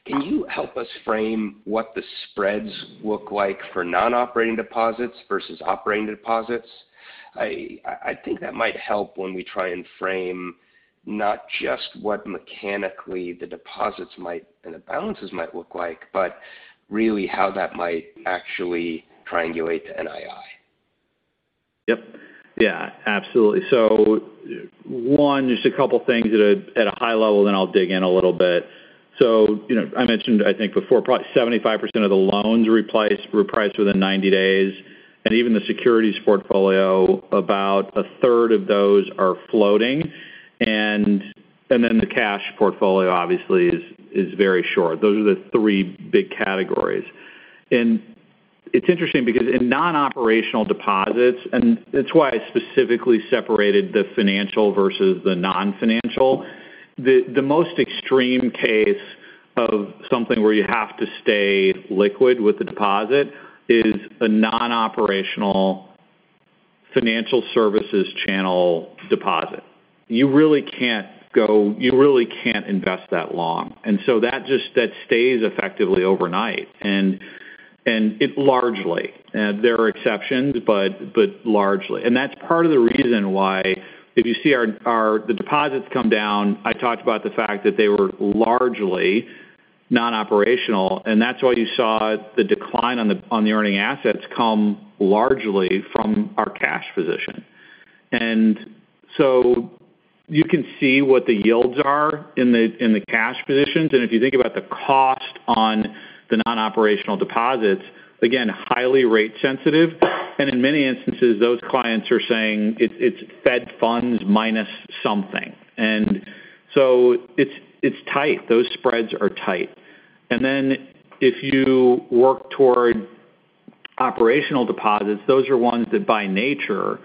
Can you help us frame what the spreads look like for non-operating deposits versus operating deposits? I think that might help when we try and frame not just what mechanically the deposits might, and the balances might look like, but really how that might actually triangulate to NII. Yep. Yeah, absolutely. One, just a couple of things at a high level, then I'll dig in a little bit. You know, I mentioned, I think before, probably 75% of the loans repriced within 90 days, and even the securities portfolio, about a third of those are floating. Then the cash portfolio obviously is very short. Those are the three big categories. It's interesting because in non-operational deposits, and that's why I specifically separated the financial versus the non-financial, the most extreme case of something where you have to stay liquid with the deposit is a non-operational financial services channel deposit. You really can't invest that long. That stays effectively overnight. It largely, there are exceptions, but largely. That's part of the reason why if you see our deposits come down, I talked about the fact that they were largely non-operational, and that's why you saw the decline on the earning assets come largely from our cash position. You can see what the yields are in the cash positions. If you think about the cost on the non-operational deposits, again, highly rate sensitive. In many instances, those clients are saying it's Fed funds minus something. It's tight. Those spreads are tight. If you work toward operational deposits, those are ones that by nature,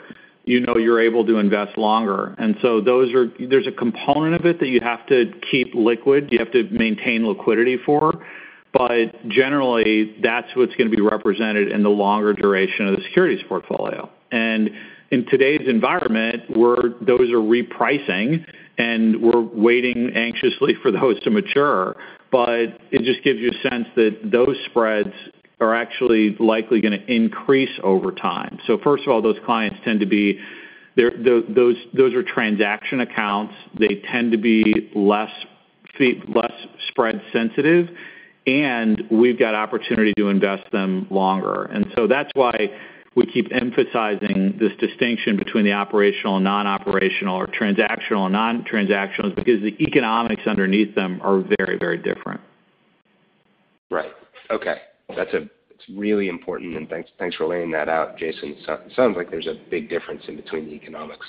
you know you're able to invest longer. There's a component of it that you have to keep liquid, you have to maintain liquidity for, but generally, that's what's gonna be represented in the longer duration of the securities portfolio. In today's environment, those are repricing, and we're waiting anxiously for those to mature. It just gives you a sense that those spreads are actually likely gonna increase over time. Those clients tend to be transaction accounts. They tend to be less spread sensitive, and we've got opportunity to invest them longer. That's why we keep emphasizing this distinction between the operational, non-operational or transactional, non-transactional because the economics underneath them are very, very different. Right. Okay. That's really important, and thanks for laying that out, Jason. Sounds like there's a big difference between the economics.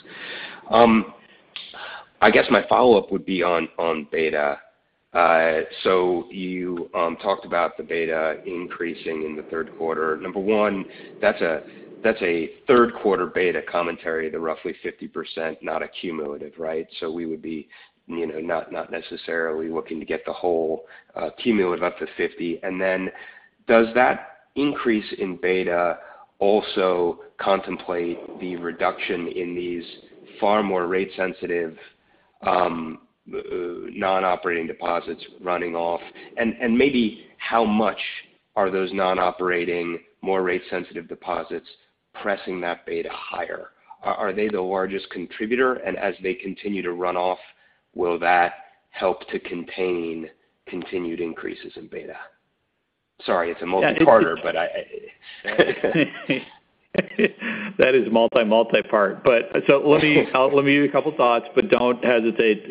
I guess my follow-up would be on beta. You talked about the beta increasing in the third quarter. Number one, that's a third quarter beta commentary, the roughly 50%, not cumulative, right? We would be not necessarily looking to get the whole cumulative up to 50. Does that increase in beta also contemplate the reduction in these far more rate sensitive non-operating deposits running off? And maybe how much are those non-operating, more rate sensitive deposits pressing that beta higher? Are they the largest contributor? And as they continue to run off, will that help to contain continued increases in beta? Sorry, it's a multi-parter. That is multi-part. Let me give you a couple thoughts, but don't hesitate.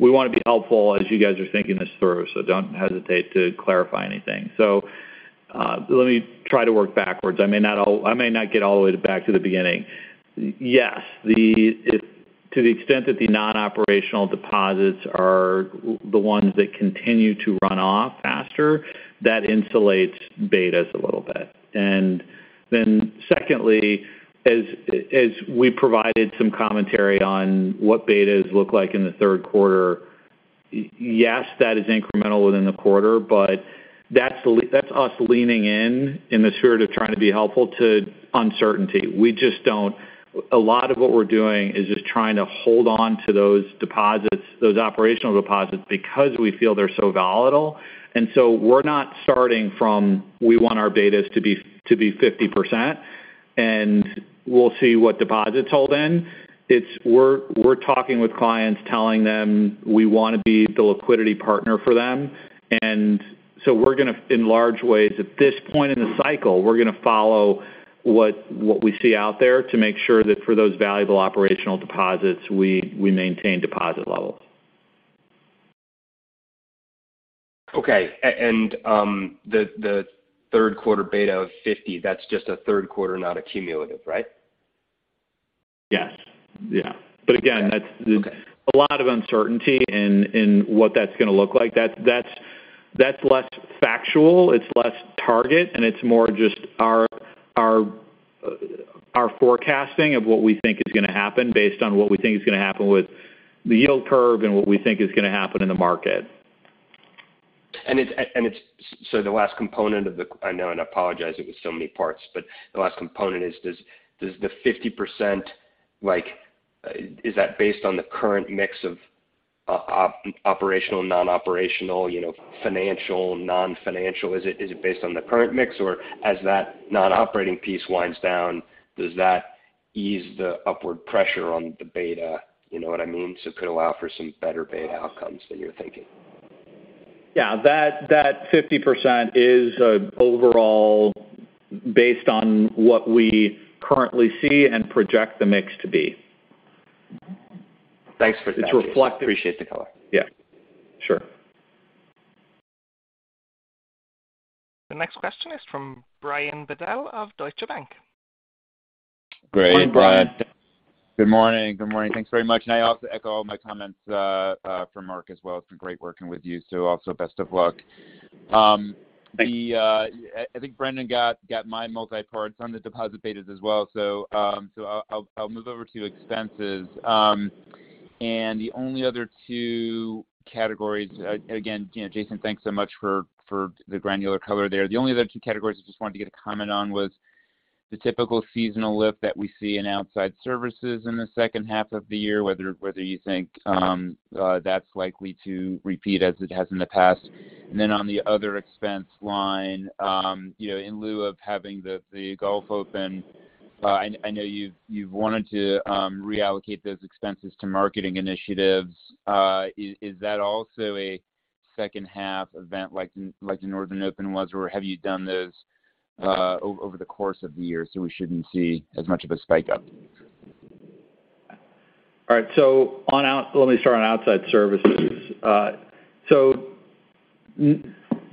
We wanna be helpful as you guys are thinking this through, so don't hesitate to clarify anything. Let me try to work backwards. I may not get all the way back to the beginning. Yes, to the extent that the non-operational deposits are the ones that continue to run off faster, that insulates betas a little bit. Then secondly, as we provided some commentary on what betas look like in the third quarter, yes, that is incremental within the quarter, but that's us leaning in in the spirit of trying to be helpful to uncertainty. A lot of what we're doing is just trying to hold on to those deposits, those operational deposits because we feel they're so volatile. We're not starting from, we want our betas to be 50%, and we'll see what deposits hold in. We're talking with clients telling them we wanna be the liquidity partner for them. We're gonna, in large ways, at this point in the cycle, we're gonna follow what we see out there to make sure that for those valuable operational deposits, we maintain deposit levels. Okay. The third quarter beta of 50, that's just a third quarter, not a cumulative, right? Yes. Yeah. Again, that's. Okay a lot of uncertainty in what that's gonna look like. That's less factual, it's less tangible, and it's more just our forecasting of what we think is gonna happen based on what we think is gonna happen with the yield curve and what we think is gonna happen in the market. The last component. I know, and I apologize it was so many parts, but the last component is, does the 50%, like, is that based on the current mix of operational, non-operational, you know, financial, non-financial? Is it based on the current mix, or as that non-operating piece winds down, does that ease the upward pressure on the beta? You know what I mean? It could allow for some better beta outcomes than you're thinking. Yeah. That 50% is overall based on what we currently see and project the mix to be. Thanks for that, Jason. It's reflective. Appreciate the color. Yeah, sure. The next question is from Brian Bedell of Deutsche Bank. Great. Morning, Brian. Good morning. Thanks very much. I also echo all my comments for Mark as well. It's been great working with you, so also best of luck. Thank you. I think Brennan got my multi-parts on the deposit betas as well. I'll move over to expenses. The only other two categories, again, you know, Jason, thanks so much for the granular color there. The only other two categories I just wanted to get a comment on was the typical seasonal lift that we see in outside services in the second half of the year, whether you think that's likely to repeat as it has in the past. Then on the other expense line, you know, in lieu of having the Golf Open, I know you've wanted to reallocate those expenses to marketing initiatives. Is that also a second half event like the Northern Open was, or have you done those over the course of the year, so we shouldn't see as much of a spike up? All right. So on outside services, let me start.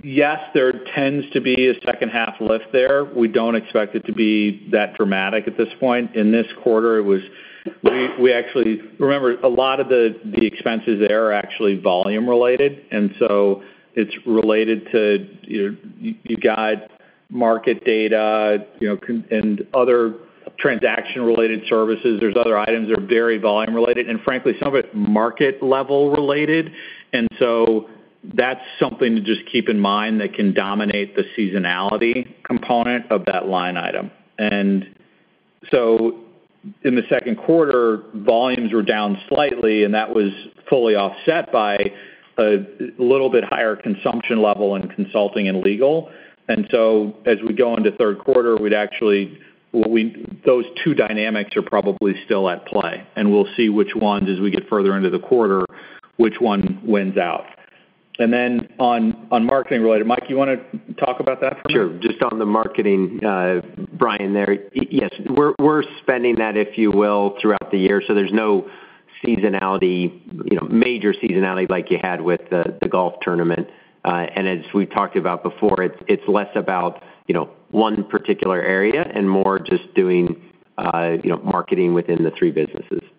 Yes, there tends to be a second half lift there. We don't expect it to be that dramatic at this point. In this quarter, it was. We actually remember, a lot of the expenses there are actually volume related, and so it's related to your. You've got market data, you know, and other transaction-related services. There are other items that are very volume related, and frankly, some of it's market level related. So that's something to just keep in mind that can dominate the seasonality component of that line item. In the second quarter, volumes were down slightly, and that was fully offset by a little bit higher consumption level in consulting and legal. As we go into third quarter, those two dynamics are probably still at play, and we'll see which ones, as we get further into the quarter, which one wins out. On marketing related, Mike, you wanna talk about that for me? Sure. Just on the marketing, Brian, there. Yes, we're spending that, if you will, throughout the year, so there's no seasonality, you know, major seasonality like you had with the golf tournament. As we've talked about before, it's less about, you know, one particular area and more just doing, you know, marketing within the three businesses. Yeah.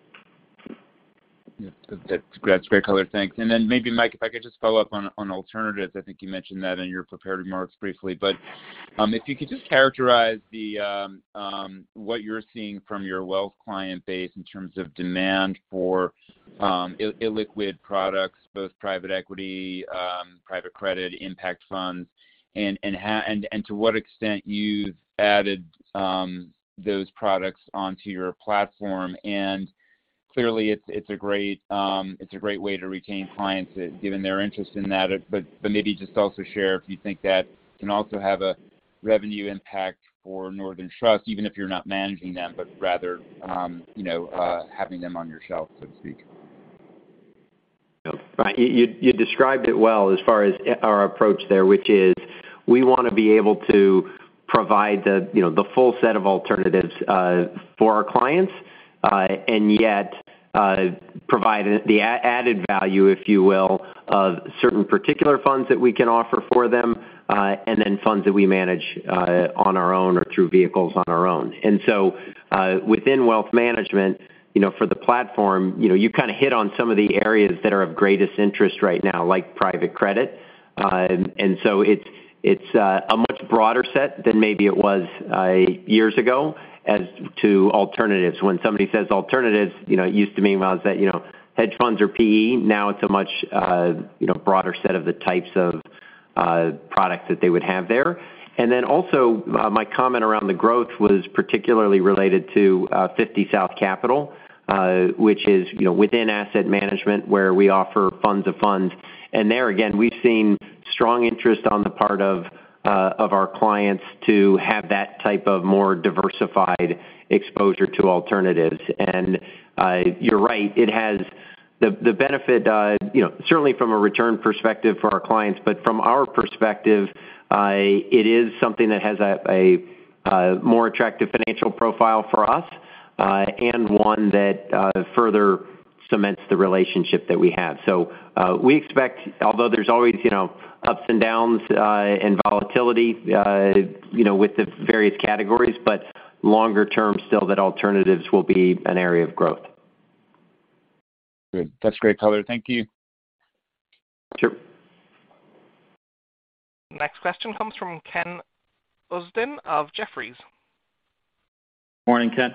That's great color. Thanks. Maybe, Mike, if I could just follow up on alternatives. I think you mentioned that in your prepared remarks briefly. If you could just characterize what you're seeing from your wealth client base in terms of demand for illiquid products, both private equity, private credit, impact funds, and to what extent you've added those products onto your platform. Clearly it's a great way to retain clients given their interest in that. Maybe just also share if you think that can also have a revenue impact for Northern Trust, even if you're not managing them, but rather you know having them on your shelf, so to speak. You described it well as far as our approach there, which is we wanna be able to provide the, you know, the full set of alternatives for our clients, and yet provide the added value, if you will, of certain particular funds that we can offer for them, and then funds that we manage on our own or through vehicles on our own. Within wealth management, you know, for the platform, you know, you kind of hit on some of the areas that are of greatest interest right now, like private credit. It's a much broader set than maybe it was years ago as to alternatives. When somebody says alternatives, you know, it used to mean was that, you know, hedge funds or PE. Now it's a much, you know, broader set of the types of products that they would have there. Then also, my comment around the growth was particularly related to 50 South Capital, which is, you know, within asset management where we offer funds of funds. There again, we've seen strong interest on the part of our clients to have that type of more diversified exposure to alternatives. You're right. It has the benefit, you know, certainly from a return perspective for our clients, but from our perspective, it is something that has a more attractive financial profile for us, and one that further cements the relationship that we have. We expect, although there's always, you know, ups and downs, and volatility, you know, with the various categories, but longer term still, that alternatives will be an area of growth. Good. That's great color. Thank you. Sure. Next question comes from Ken Usdin of Jefferies. Morning, Ken.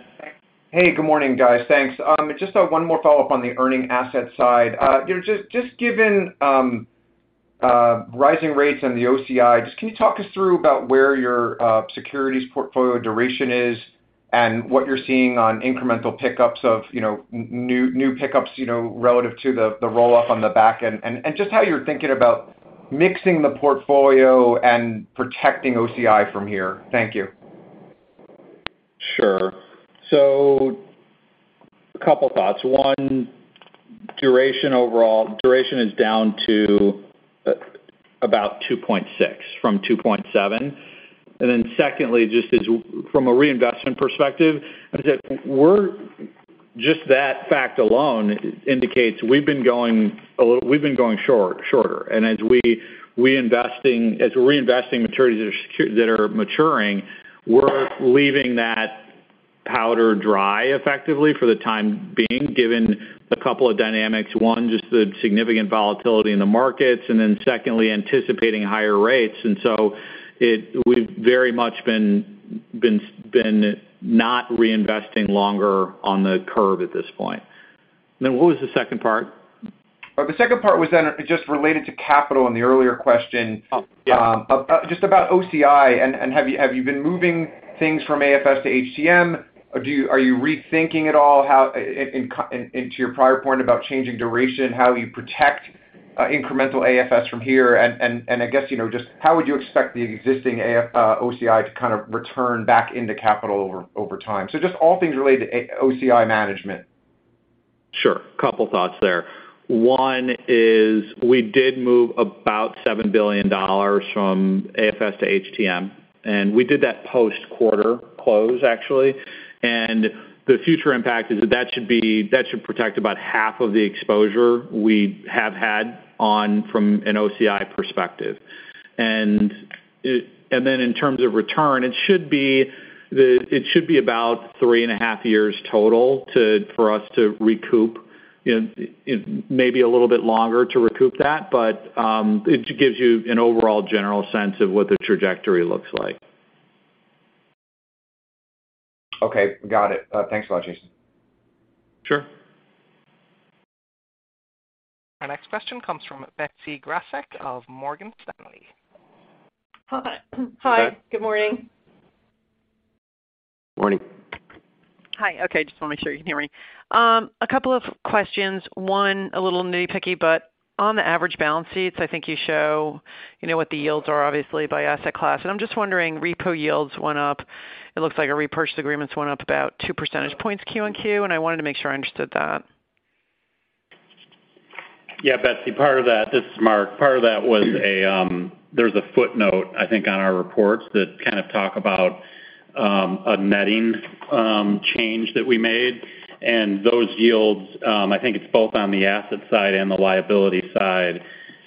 Hey, good morning, guys. Thanks. Just one more follow-up on the earning asset side. You know, just given rising rates and the OCI, just can you talk us through about where your securities portfolio duration is and what you're seeing on incremental pickups of, you know, new pickups, you know, relative to the roll-off on the back end, and just how you're thinking about mixing the portfolio and protecting OCI from here? Thank you. Sure. Couple thoughts. Duration overall is down to about 2.6 from 2.7. Secondly, just, from a reinvestment perspective, that fact alone indicates we've been going a little shorter. As we're reinvesting maturities that are maturing, we're leaving that powder dry effectively for the time being, given a couple of dynamics. One, just the significant volatility in the markets, and then secondly, anticipating higher rates. We've very much been not reinvesting longer on the curve at this point. What was the second part? The second part was then just related to capital in the earlier question. Oh, yeah. Just about OCI, have you been moving things from AFS to HTM? Or are you rethinking at all how, and into your prior point about changing duration, how you protect incremental AFS from here? I guess, you know, just how would you expect the existing AFS OCI to kind of return back into capital over time? So just all things related to AOCI management. Sure. Couple thoughts there. One is we did move about $7 billion from AFS to HTM, and we did that post-quarter close, actually. The future impact is that should protect about half of the exposure we have had on from an OCI perspective. Then in terms of return, it should be about 3.5 years total for us to recoup. You know, it may be a little bit longer to recoup that, but it gives you an overall general sense of what the trajectory looks like. Okay. Got it. Thanks a lot, Jason. Sure. Our next question comes from Betsy Graseck of Morgan Stanley. Hi. Hi. Good morning. Morning. Hi. Okay, just want to make sure you can hear me. A couple of questions. One, a little nitpicky, but on the average balance sheets, I think you show, you know, what the yields are obviously by asset class. I'm just wondering, repo yields went up. It looks like our repurchase agreements went up about two percentage points Q on Q, and I wanted to make sure I understood that. Yeah, Betsy, part of that. This is Mark. Part of that was. There's a footnote, I think, on our reports that kind of talk about a netting change that we made and those yields. I think it's both on the asset side and the liability side.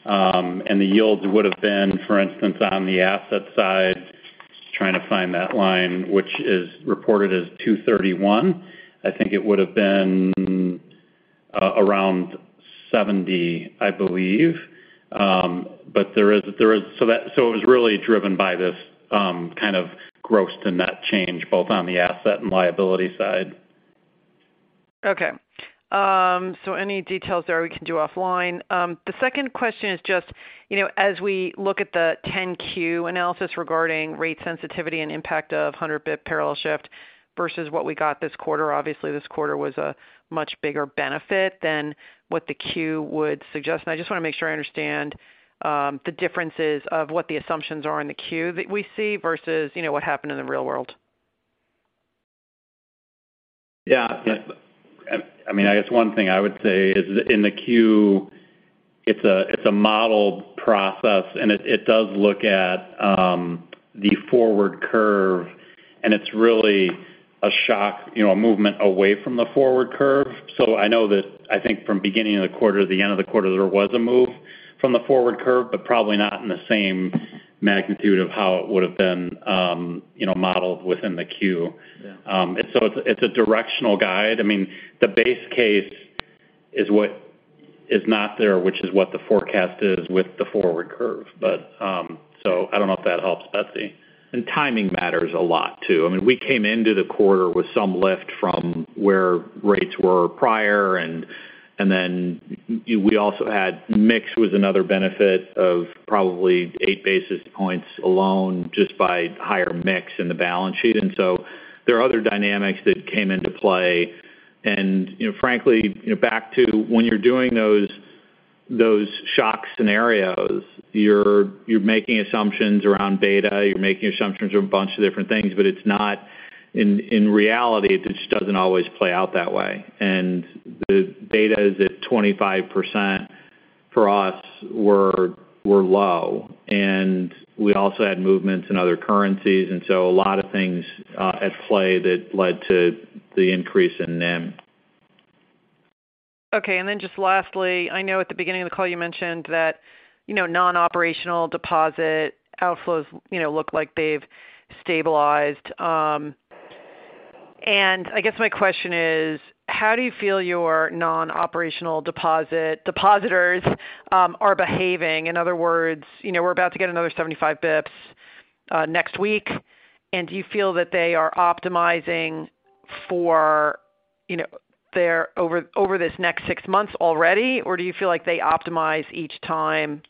The yields would have been, for instance, on the asset side, just trying to find that line, which is reported as 231. I think it would have been around 70, I believe. But there is, so it was really driven by this kind of gross to net change, both on the asset and liability side. Okay. Any details there we can do offline. The second question is just, you know, as we look at the 10-Q analysis regarding rate sensitivity and impact of 100 basis point parallel shift versus what we got this quarter, obviously this quarter was a much bigger benefit than what the 10-Q would suggest. I just want to make sure I understand the differences of what the assumptions are in the 10-Q that we see versus, you know, what happened in the real world. Yeah. I mean, I guess one thing I would say is in the Q, it's a modeled process, and it does look at the forward curve, and it's really a shock, you know, a movement away from the forward curve. I know that I think from beginning of the quarter to the end of the quarter, there was a move from the forward curve, but probably not in the same magnitude of how it would have been, you know, modeled within the Q. Yeah. It's a directional guide. I mean, the base case is what is not there, which is what the forecast is with the forward curve. I don't know if that helps, Betsy. Timing matters a lot, too. I mean, we came into the quarter with some lift from where rates were prior, and then we also had mix was another benefit of probably eight basis points alone just by higher mix in the balance sheet. There are other dynamics that came into play. You know, frankly, you know, back to when you're doing those shock scenarios, you're making assumptions around beta, you're making assumptions around a bunch of different things, but it's not. In reality, it just doesn't always play out that way. The beta is at 25% for us, we're low. We also had movements in other currencies, and so a lot of things at play that led to the increase in NIM. Okay. Just lastly, I know at the beginning of the call you mentioned that, you know, non-operational deposit outflows, you know, look like they've stabilized. I guess my question is how do you feel your non-operational deposit depositors are behaving? In other words, you know, we're about to get another 75 basis points next week. Do you feel that they are optimizing for, you know, higher over this next six months already? Or do you feel like they optimize each time,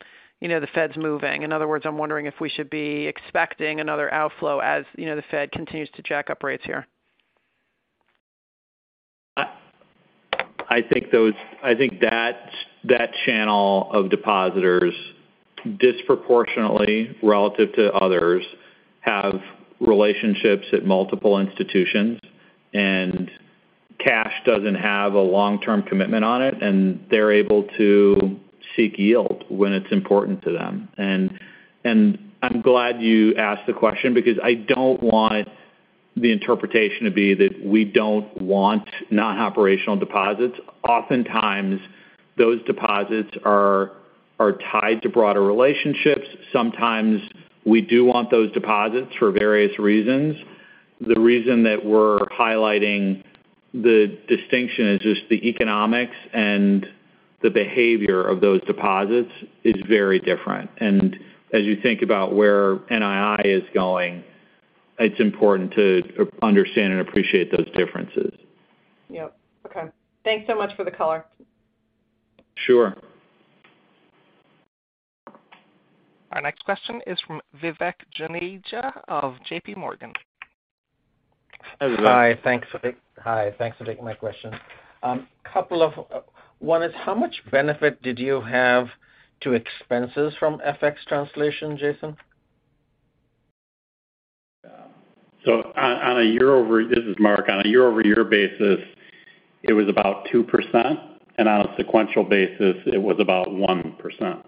you know, the Fed's moving? In other words, I'm wondering if we should be expecting another outflow as, you know, the Fed continues to jack up rates here. I think that channel of depositors disproportionately relative to others have relationships at multiple institutions, and cash doesn't have a long-term commitment on it, and they're able to seek yield when it's important to them. I'm glad you asked the question because I don't want the interpretation to be that we don't want non-operational deposits. Oftentimes, those deposits are tied to broader relationships. Sometimes we do want those deposits for various reasons. The reason that we're highlighting the distinction is just the economics and the behavior of those deposits is very different. As you think about where NII is going, it's important to understand and appreciate those differences. Yep. Okay. Thanks so much for the color. Sure. Our next question is from Vivek Juneja of JP Morgan. Hi. Thanks for taking my question. One is, how much benefit did you have to expenses from FX translation, Jason? This is Mark. On a year-over-year basis, it was about 2%, and on a sequential basis, it was about 1%.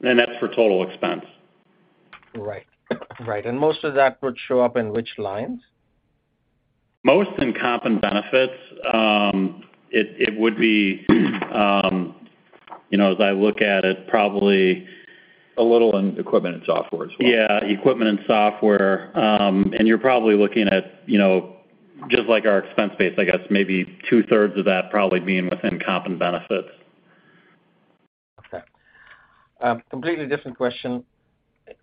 That's for total expense. Right. Most of that would show up in which lines? Most in comp and benefits. It would be, you know, as I look at it, probably. A little in equipment and software as well. Yeah, equipment and software. You're probably looking at, you know, just like our expense base, I guess maybe two-thirds of that probably being within comp and benefits. Okay. A completely different question.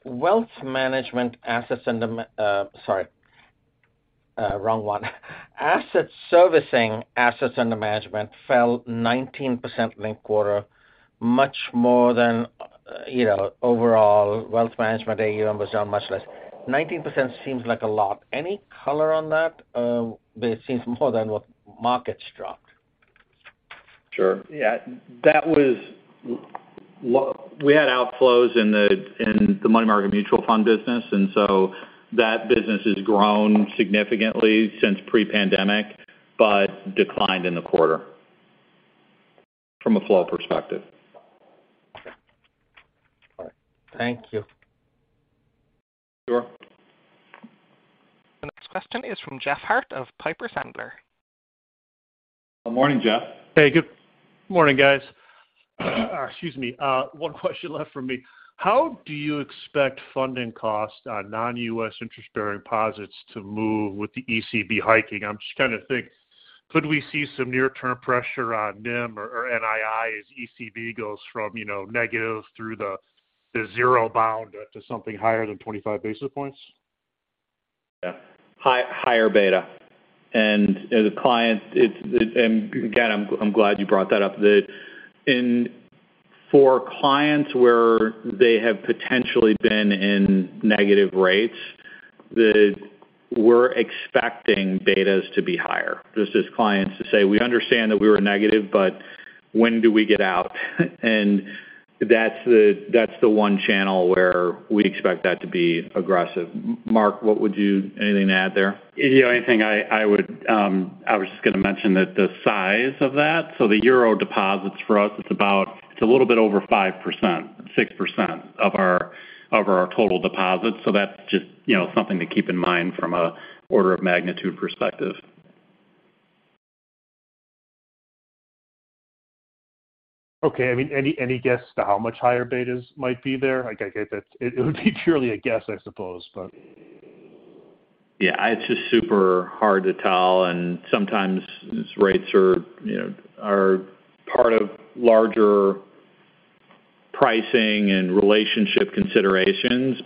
Asset servicing assets under management fell 19% linked quarter, much more than, you know, overall wealth management AUM was down much less. 19% seems like a lot. Any color on that? It seems more than what markets dropped. Sure. Yeah. We had outflows in the money market mutual fund business, and so that business has grown significantly since pre-pandemic, but declined in the quarter from a flow perspective. Okay. All right. Thank you. Sure. The next question is from Jeff Harte of Piper Sandler. Good morning, Jeff. Hey, good morning, guys. Excuse me. One question left for me. How do you expect funding costs on non-US interest-bearing deposits to move with the ECB hiking? I'm just trying to think, could we see some near-term pressure on NIM or NII as ECB goes from, you know, negative through the zero bound to something higher than 25 basis points? Higher beta. I'm glad you brought that up. For clients where they have potentially been in negative rates, we're expecting betas to be higher. This is clients to say, "We understand that we were negative, but when do we get out?" That's the one channel where we expect that to be aggressive. Mark, anything to add there? I was just going to mention that the size of that. The euro deposits for us is a little bit over 5%-6% of our total deposits. That's just, you know, something to keep in mind from an order of magnitude perspective. Okay. I mean, any guess to how much higher betas might be there? I get that it would be purely a guess, I suppose, but... Yeah, it's just super hard to tell. Sometimes rates are, you know, part of larger pricing and relationship considerations.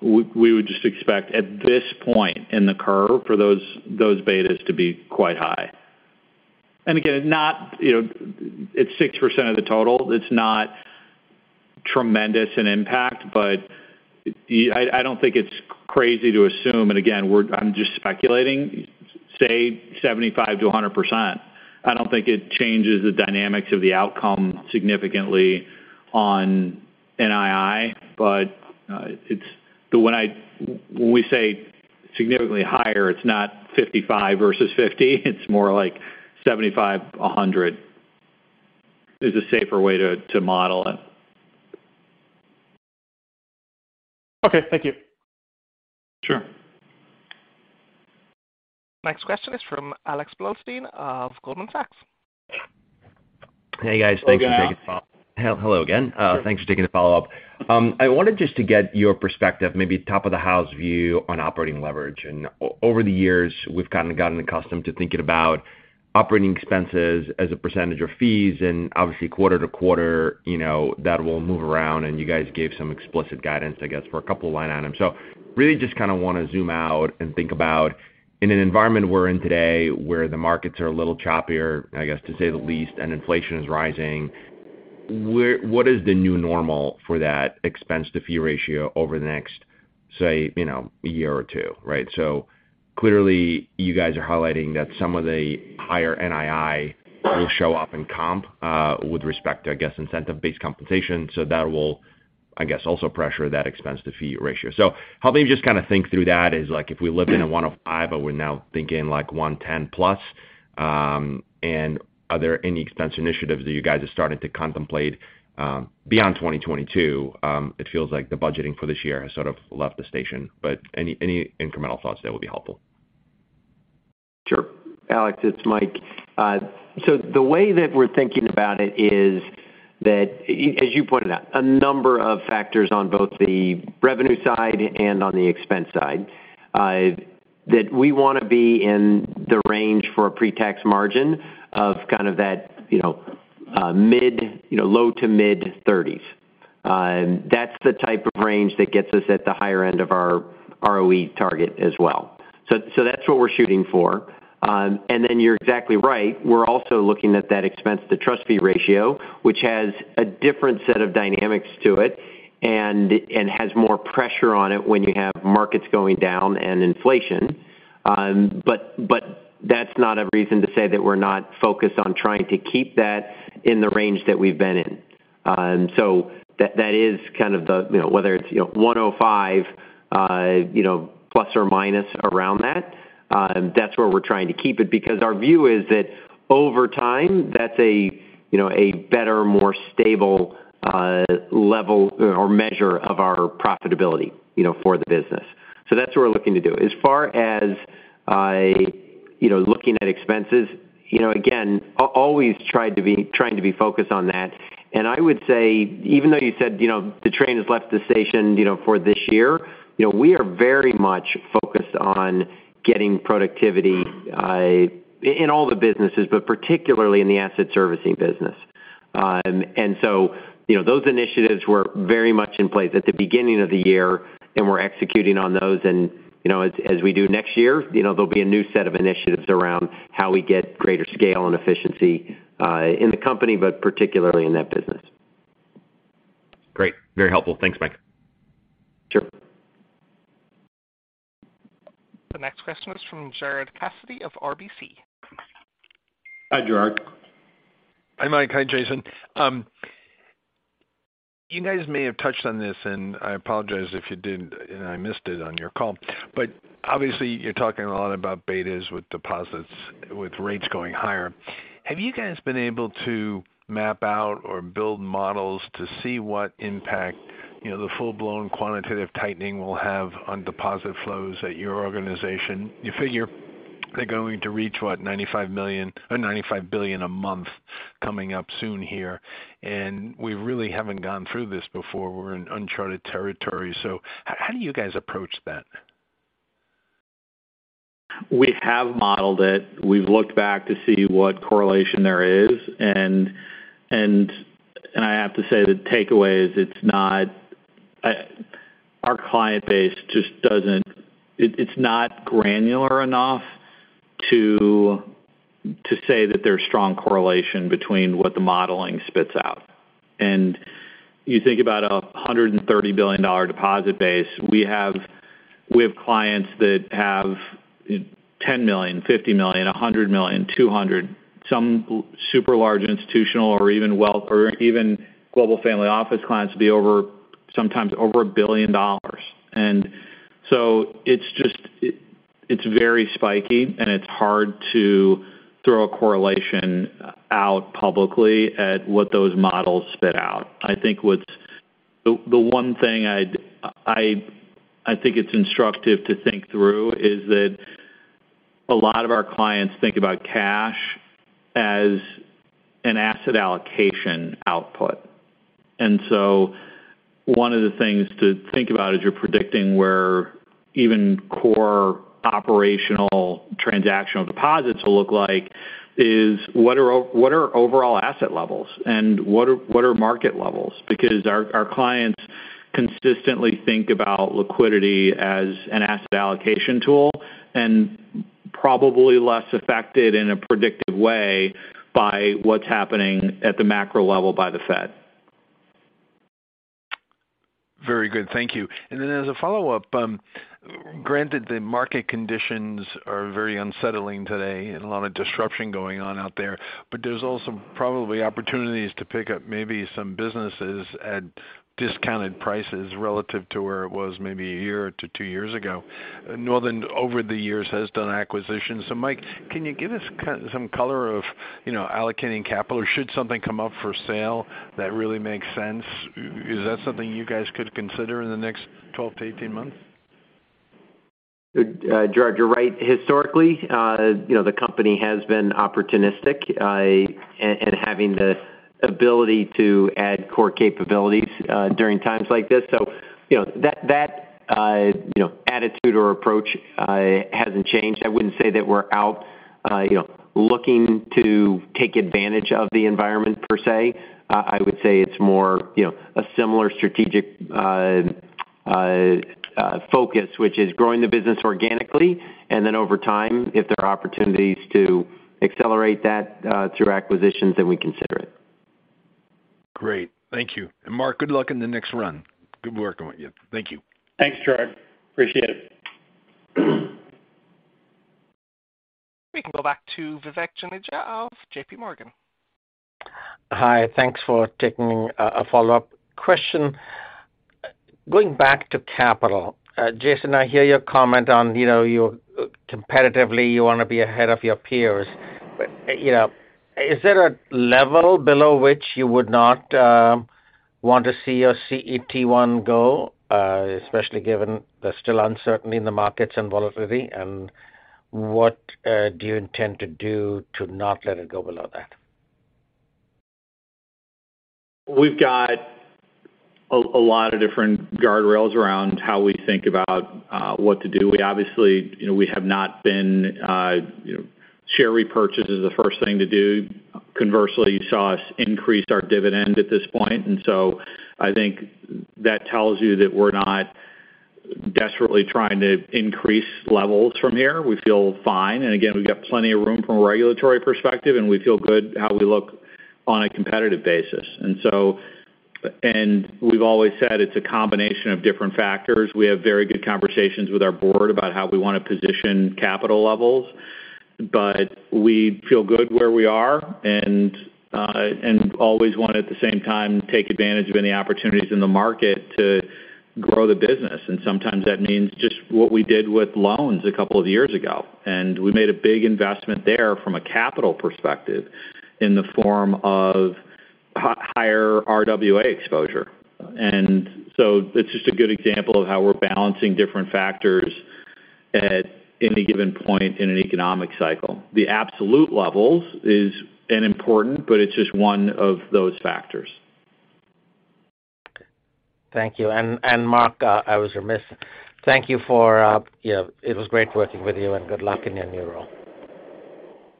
We would just expect at this point in the curve for those betas to be quite high. Again, not, you know. It's 6% of the total. It's not tremendous an impact, but I don't think it's crazy to assume, and again, I'm just speculating, say 75%-100%. I don't think it changes the dynamics of the outcome significantly on NII, but it's. When we say significantly higher, it's not 55 versus 50, it's more like 75, 100 is a safer way to model it. Okay. Thank you. Sure. Next question is from Alex Blostein of Goldman Sachs. Hey, guys. Thanks for taking Welcome back. Hello again. Thanks for taking the follow-up. I wanted just to get your perspective, maybe top of the house view on operating leverage. Over the years, we've kind of gotten accustomed to thinking about operating expenses as a percentage of fees, and obviously quarter to quarter, you know, that will move around. You guys gave some explicit guidance, I guess, for a couple of line items. Really just kind of want to zoom out and think about in an environment we're in today where the markets are a little choppier, I guess, to say the least, and inflation is rising, where, what is the new normal for that expense to fee ratio over the next, say, you know, a year or two, right? Clearly, you guys are highlighting that some of the higher NII will show up in comp with respect to, I guess, incentive-based compensation. That will, I guess, also pressure that expense-to-fee ratio. Helping me just kind of think through that is like if we lived in a 105, but we're now thinking like 110 plus, and are there any expense initiatives that you guys are starting to contemplate beyond 2022? It feels like the budgeting for this year has sort of left the station, but any incremental thoughts there will be helpful. Sure. Alex, it's Mike. The way that we're thinking about it is that as you pointed out, a number of factors on both the revenue side and on the expense side that we wanna be in the range for a pre-tax margin of kind of that, you know, low- to mid-30s%. That's the type of range that gets us at the higher end of our ROE target as well. That's what we're shooting for. You're exactly right. We're also looking at that expense to trust fee ratio, which has a different set of dynamics to it and has more pressure on it when you have markets going down and inflation. That's not a reason to say that we're not focused on trying to keep that in the range that we've been in. That is kind of the, you know, whether it's, you know, 105, you know, plus or minus around that's where we're trying to keep it. Because our view is that over time, that's a, you know, a better, more stable, level or measure of our profitability, you know, for the business. That's what we're looking to do. As far as I, you know, looking at expenses, you know, again, always trying to be focused on that. I would say, even though you said, you know, the train has left the station, you know, for this year, you know, we are very much focused on getting productivity in all the businesses, but particularly in the asset servicing business. You know, those initiatives were very much in place at the beginning of the year, and we're executing on those. You know, as we do next year, you know, there'll be a new set of initiatives around how we get greater scale and efficiency in the company, but particularly in that business. Great. Very helpful. Thanks, Mike. Sure. The next question is from Gerard Cassidy of RBC. Hi, Gerard. Hi, Mike. Hi, Jason. You guys may have touched on this, and I apologize if you did and I missed it on your call. Obviously you're talking a lot about betas with deposits, with rates going higher. Have you guys been able to map out or build models to see what impact, you know, the full-blown quantitative tightening will have on deposit flows at your organization? You figure they're going to reach, what, $95 million or $95 billion a month coming up soon here, and we really haven't gone through this before. We're in uncharted territory. How do you guys approach that? We have modeled it. We've looked back to see what correlation there is. I have to say the takeaway is it's not. Our client base just doesn't. It's not granular enough to say that there's strong correlation between what the modeling spits out. You think about a $130 billion deposit base. We have clients that have $10 million, $50 million, $100 million, $200 million. Some super large institutional or even wealth or even Global Family Office clients will be over, sometimes over $1 billion. It's just. It's very spiky, and it's hard to throw a correlation out publicly at what those models spit out. I think the one thing I think it's instructive to think through is that a lot of our clients think about cash as an asset allocation output. One of the things to think about as you're predicting where even core operational transactional deposits will look like is what are overall asset levels and what are market levels. Because our clients consistently think about liquidity as an asset allocation tool and probably less affected in a predictive way by what's happening at the macro level by the Fed. Very good. Thank you. As a follow-up, granted the market conditions are very unsettling today and a lot of disruption going on out there, but there's also probably opportunities to pick up maybe some businesses at discounted prices relative to where it was maybe a year to 2 years ago. Northern, over the years, has done acquisitions. Mike, can you give us some color of, you know, allocating capital? Should something come up for sale that really makes sense, is that something you guys could consider in the next 12-18 months? Gerard, you're right. Historically, you know, the company has been opportunistic and having the ability to add core capabilities during times like this. You know, that you know, attitude or approach hasn't changed. I wouldn't say that we're out you know, looking to take advantage of the environment per se. I would say it's more, you know, a similar strategic focus, which is growing the business organically. Then over time, if there are opportunities to accelerate that through acquisitions, then we consider it. Great. Thank you. Mark, good luck in the next run. Good working with you. Thank you. Thanks, Gerard. Appreciate it. We can go back to Vivek Juneja of JP Morgan. Hi. Thanks for taking a follow-up question. Going back to capital, Jason, I hear your comment on, you know, competitively, you wanna be ahead of your peers. You know, is there a level below which you would not want to see your CET1 go, especially given there's still uncertainty in the markets and volatility? What do you intend to do to not let it go below that? We've got a lot of different guardrails around how we think about what to do. We obviously, you know, we have not been, you know, share repurchase is the first thing to do. Conversely, you saw us increase our dividend at this point. I think that tells you that we're not desperately trying to increase levels from here. We feel fine. Again, we've got plenty of room from a regulatory perspective, and we feel good how we look on a competitive basis. We've always said it's a combination of different factors. We have very good conversations with our board about how we wanna position capital levels. We feel good where we are, and always want to, at the same time, take advantage of any opportunities in the market to grow the business. Sometimes that means just what we did with loans a couple of years ago. We made a big investment there from a capital perspective in the form of higher RWA exposure. It's just a good example of how we're balancing different factors at any given point in an economic cycle. The absolute levels is an important, but it's just one of those factors. Thank you. Mark, I was remiss. Thank you for, you know, it was great working with you, and good luck in your new role.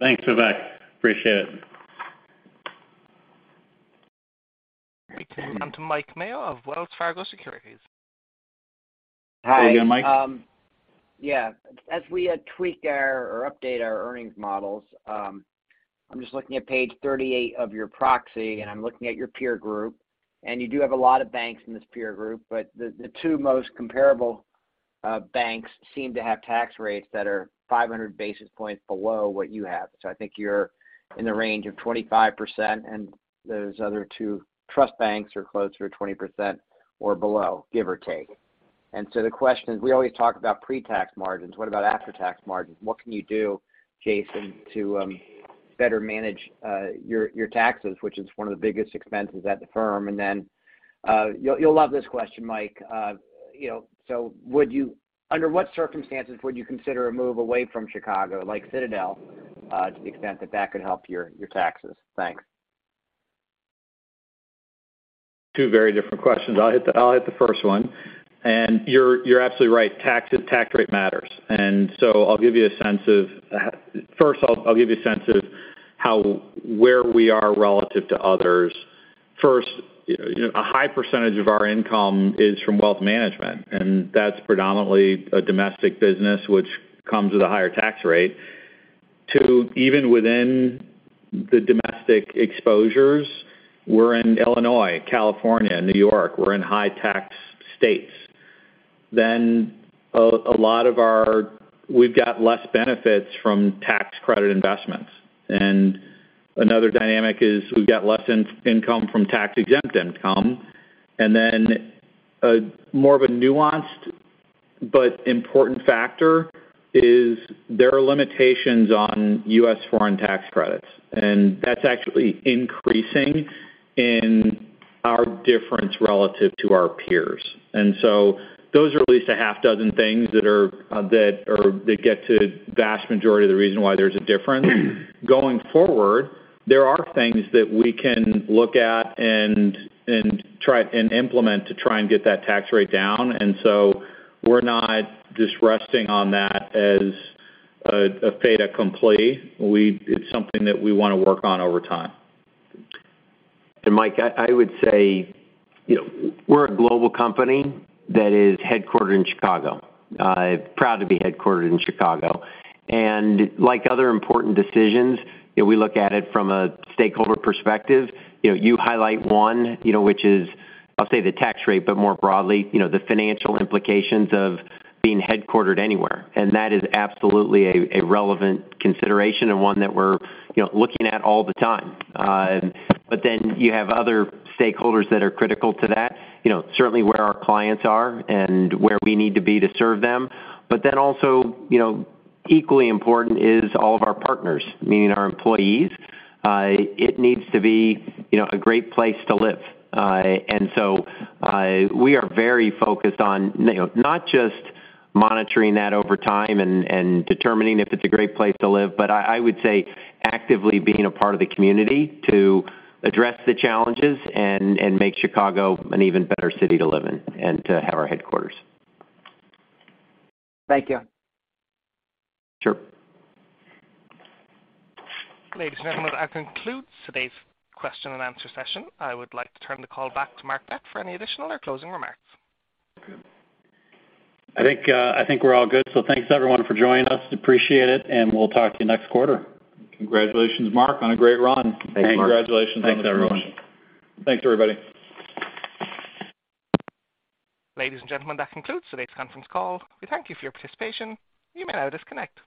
Thanks, Vivek. Appreciate it. We can come to Mike Mayo of Wells Fargo Securities. How are you, Mike? Hi. Yeah. As we tweak or update our earnings models, I'm just looking at page 38 of your proxy, and I'm looking at your peer group. You do have a lot of banks in this peer group, but the two most comparable banks seem to have tax rates that are 500 basis points below what you have. I think you're in the range of 25%, and those other two trust banks are closer to 20% or below, give or take. The question is, we always talk about pre-tax margins. What about after-tax margins? What can you do, Jason, to better manage your taxes, which is one of the biggest expenses at the firm? You'll love this question, Mike. You know, would you under what circumstances would you consider a move away from Chicago, like Citadel, to the extent that that could help your taxes? Thanks. Two very different questions. I'll hit the first one. You're absolutely right, taxes, tax rate matters. I'll give you a sense of how we are relative to others. First, you know, a high percentage of our income is from wealth management, and that's predominantly a domestic business which comes with a higher tax rate. Two, even within the domestic exposures, we're in Illinois, California, New York. We're in high tax states. Then a lot of our. We've got less benefits from tax credit investments. Another dynamic is we've got less income from tax-exempt income. More of a nuanced but important factor is there are limitations on U.S. foreign tax credits. That's actually increasing in our difference relative to our peers. Those are at least a half dozen things that get to the vast majority of the reason why there's a difference. Going forward, there are things that we can look at and try and implement to try and get that tax rate down. We're not just resting on that as a fait accompli. It's something that we wanna work on over time. Mike, I would say, you know, we're a global company that is headquartered in Chicago. Proud to be headquartered in Chicago. Like other important decisions, you know, we look at it from a stakeholder perspective. You know, you highlight one, you know, which is, I'll say the tax rate, but more broadly, you know, the financial implications of being headquartered anywhere. That is absolutely a relevant consideration and one that we're, you know, looking at all the time. You have other stakeholders that are critical to that. You know, certainly where our clients are and where we need to be to serve them. Also, you know, equally important is all of our partners, meaning our employees. It needs to be, you know, a great place to live. We are very focused on, you know, not just monitoring that over time and determining if it's a great place to live, but I would say, actively being a part of the community to address the challenges and make Chicago an even better city to live in and to have our headquarters. Thank you. Sure. Ladies and gentlemen, that concludes today's question and answer session. I would like to turn the call back to Mark Bette for any additional or closing remarks. I think we're all good. Thanks everyone for joining us. Appreciate it, and we'll talk to you next quarter. Congratulations, Mark, on a great run. Thanks. Congratulations on the promotion. Thanks, everyone. Thanks, everybody. Ladies and gentlemen, that concludes today's conference call. We thank you for your participation. You may now disconnect.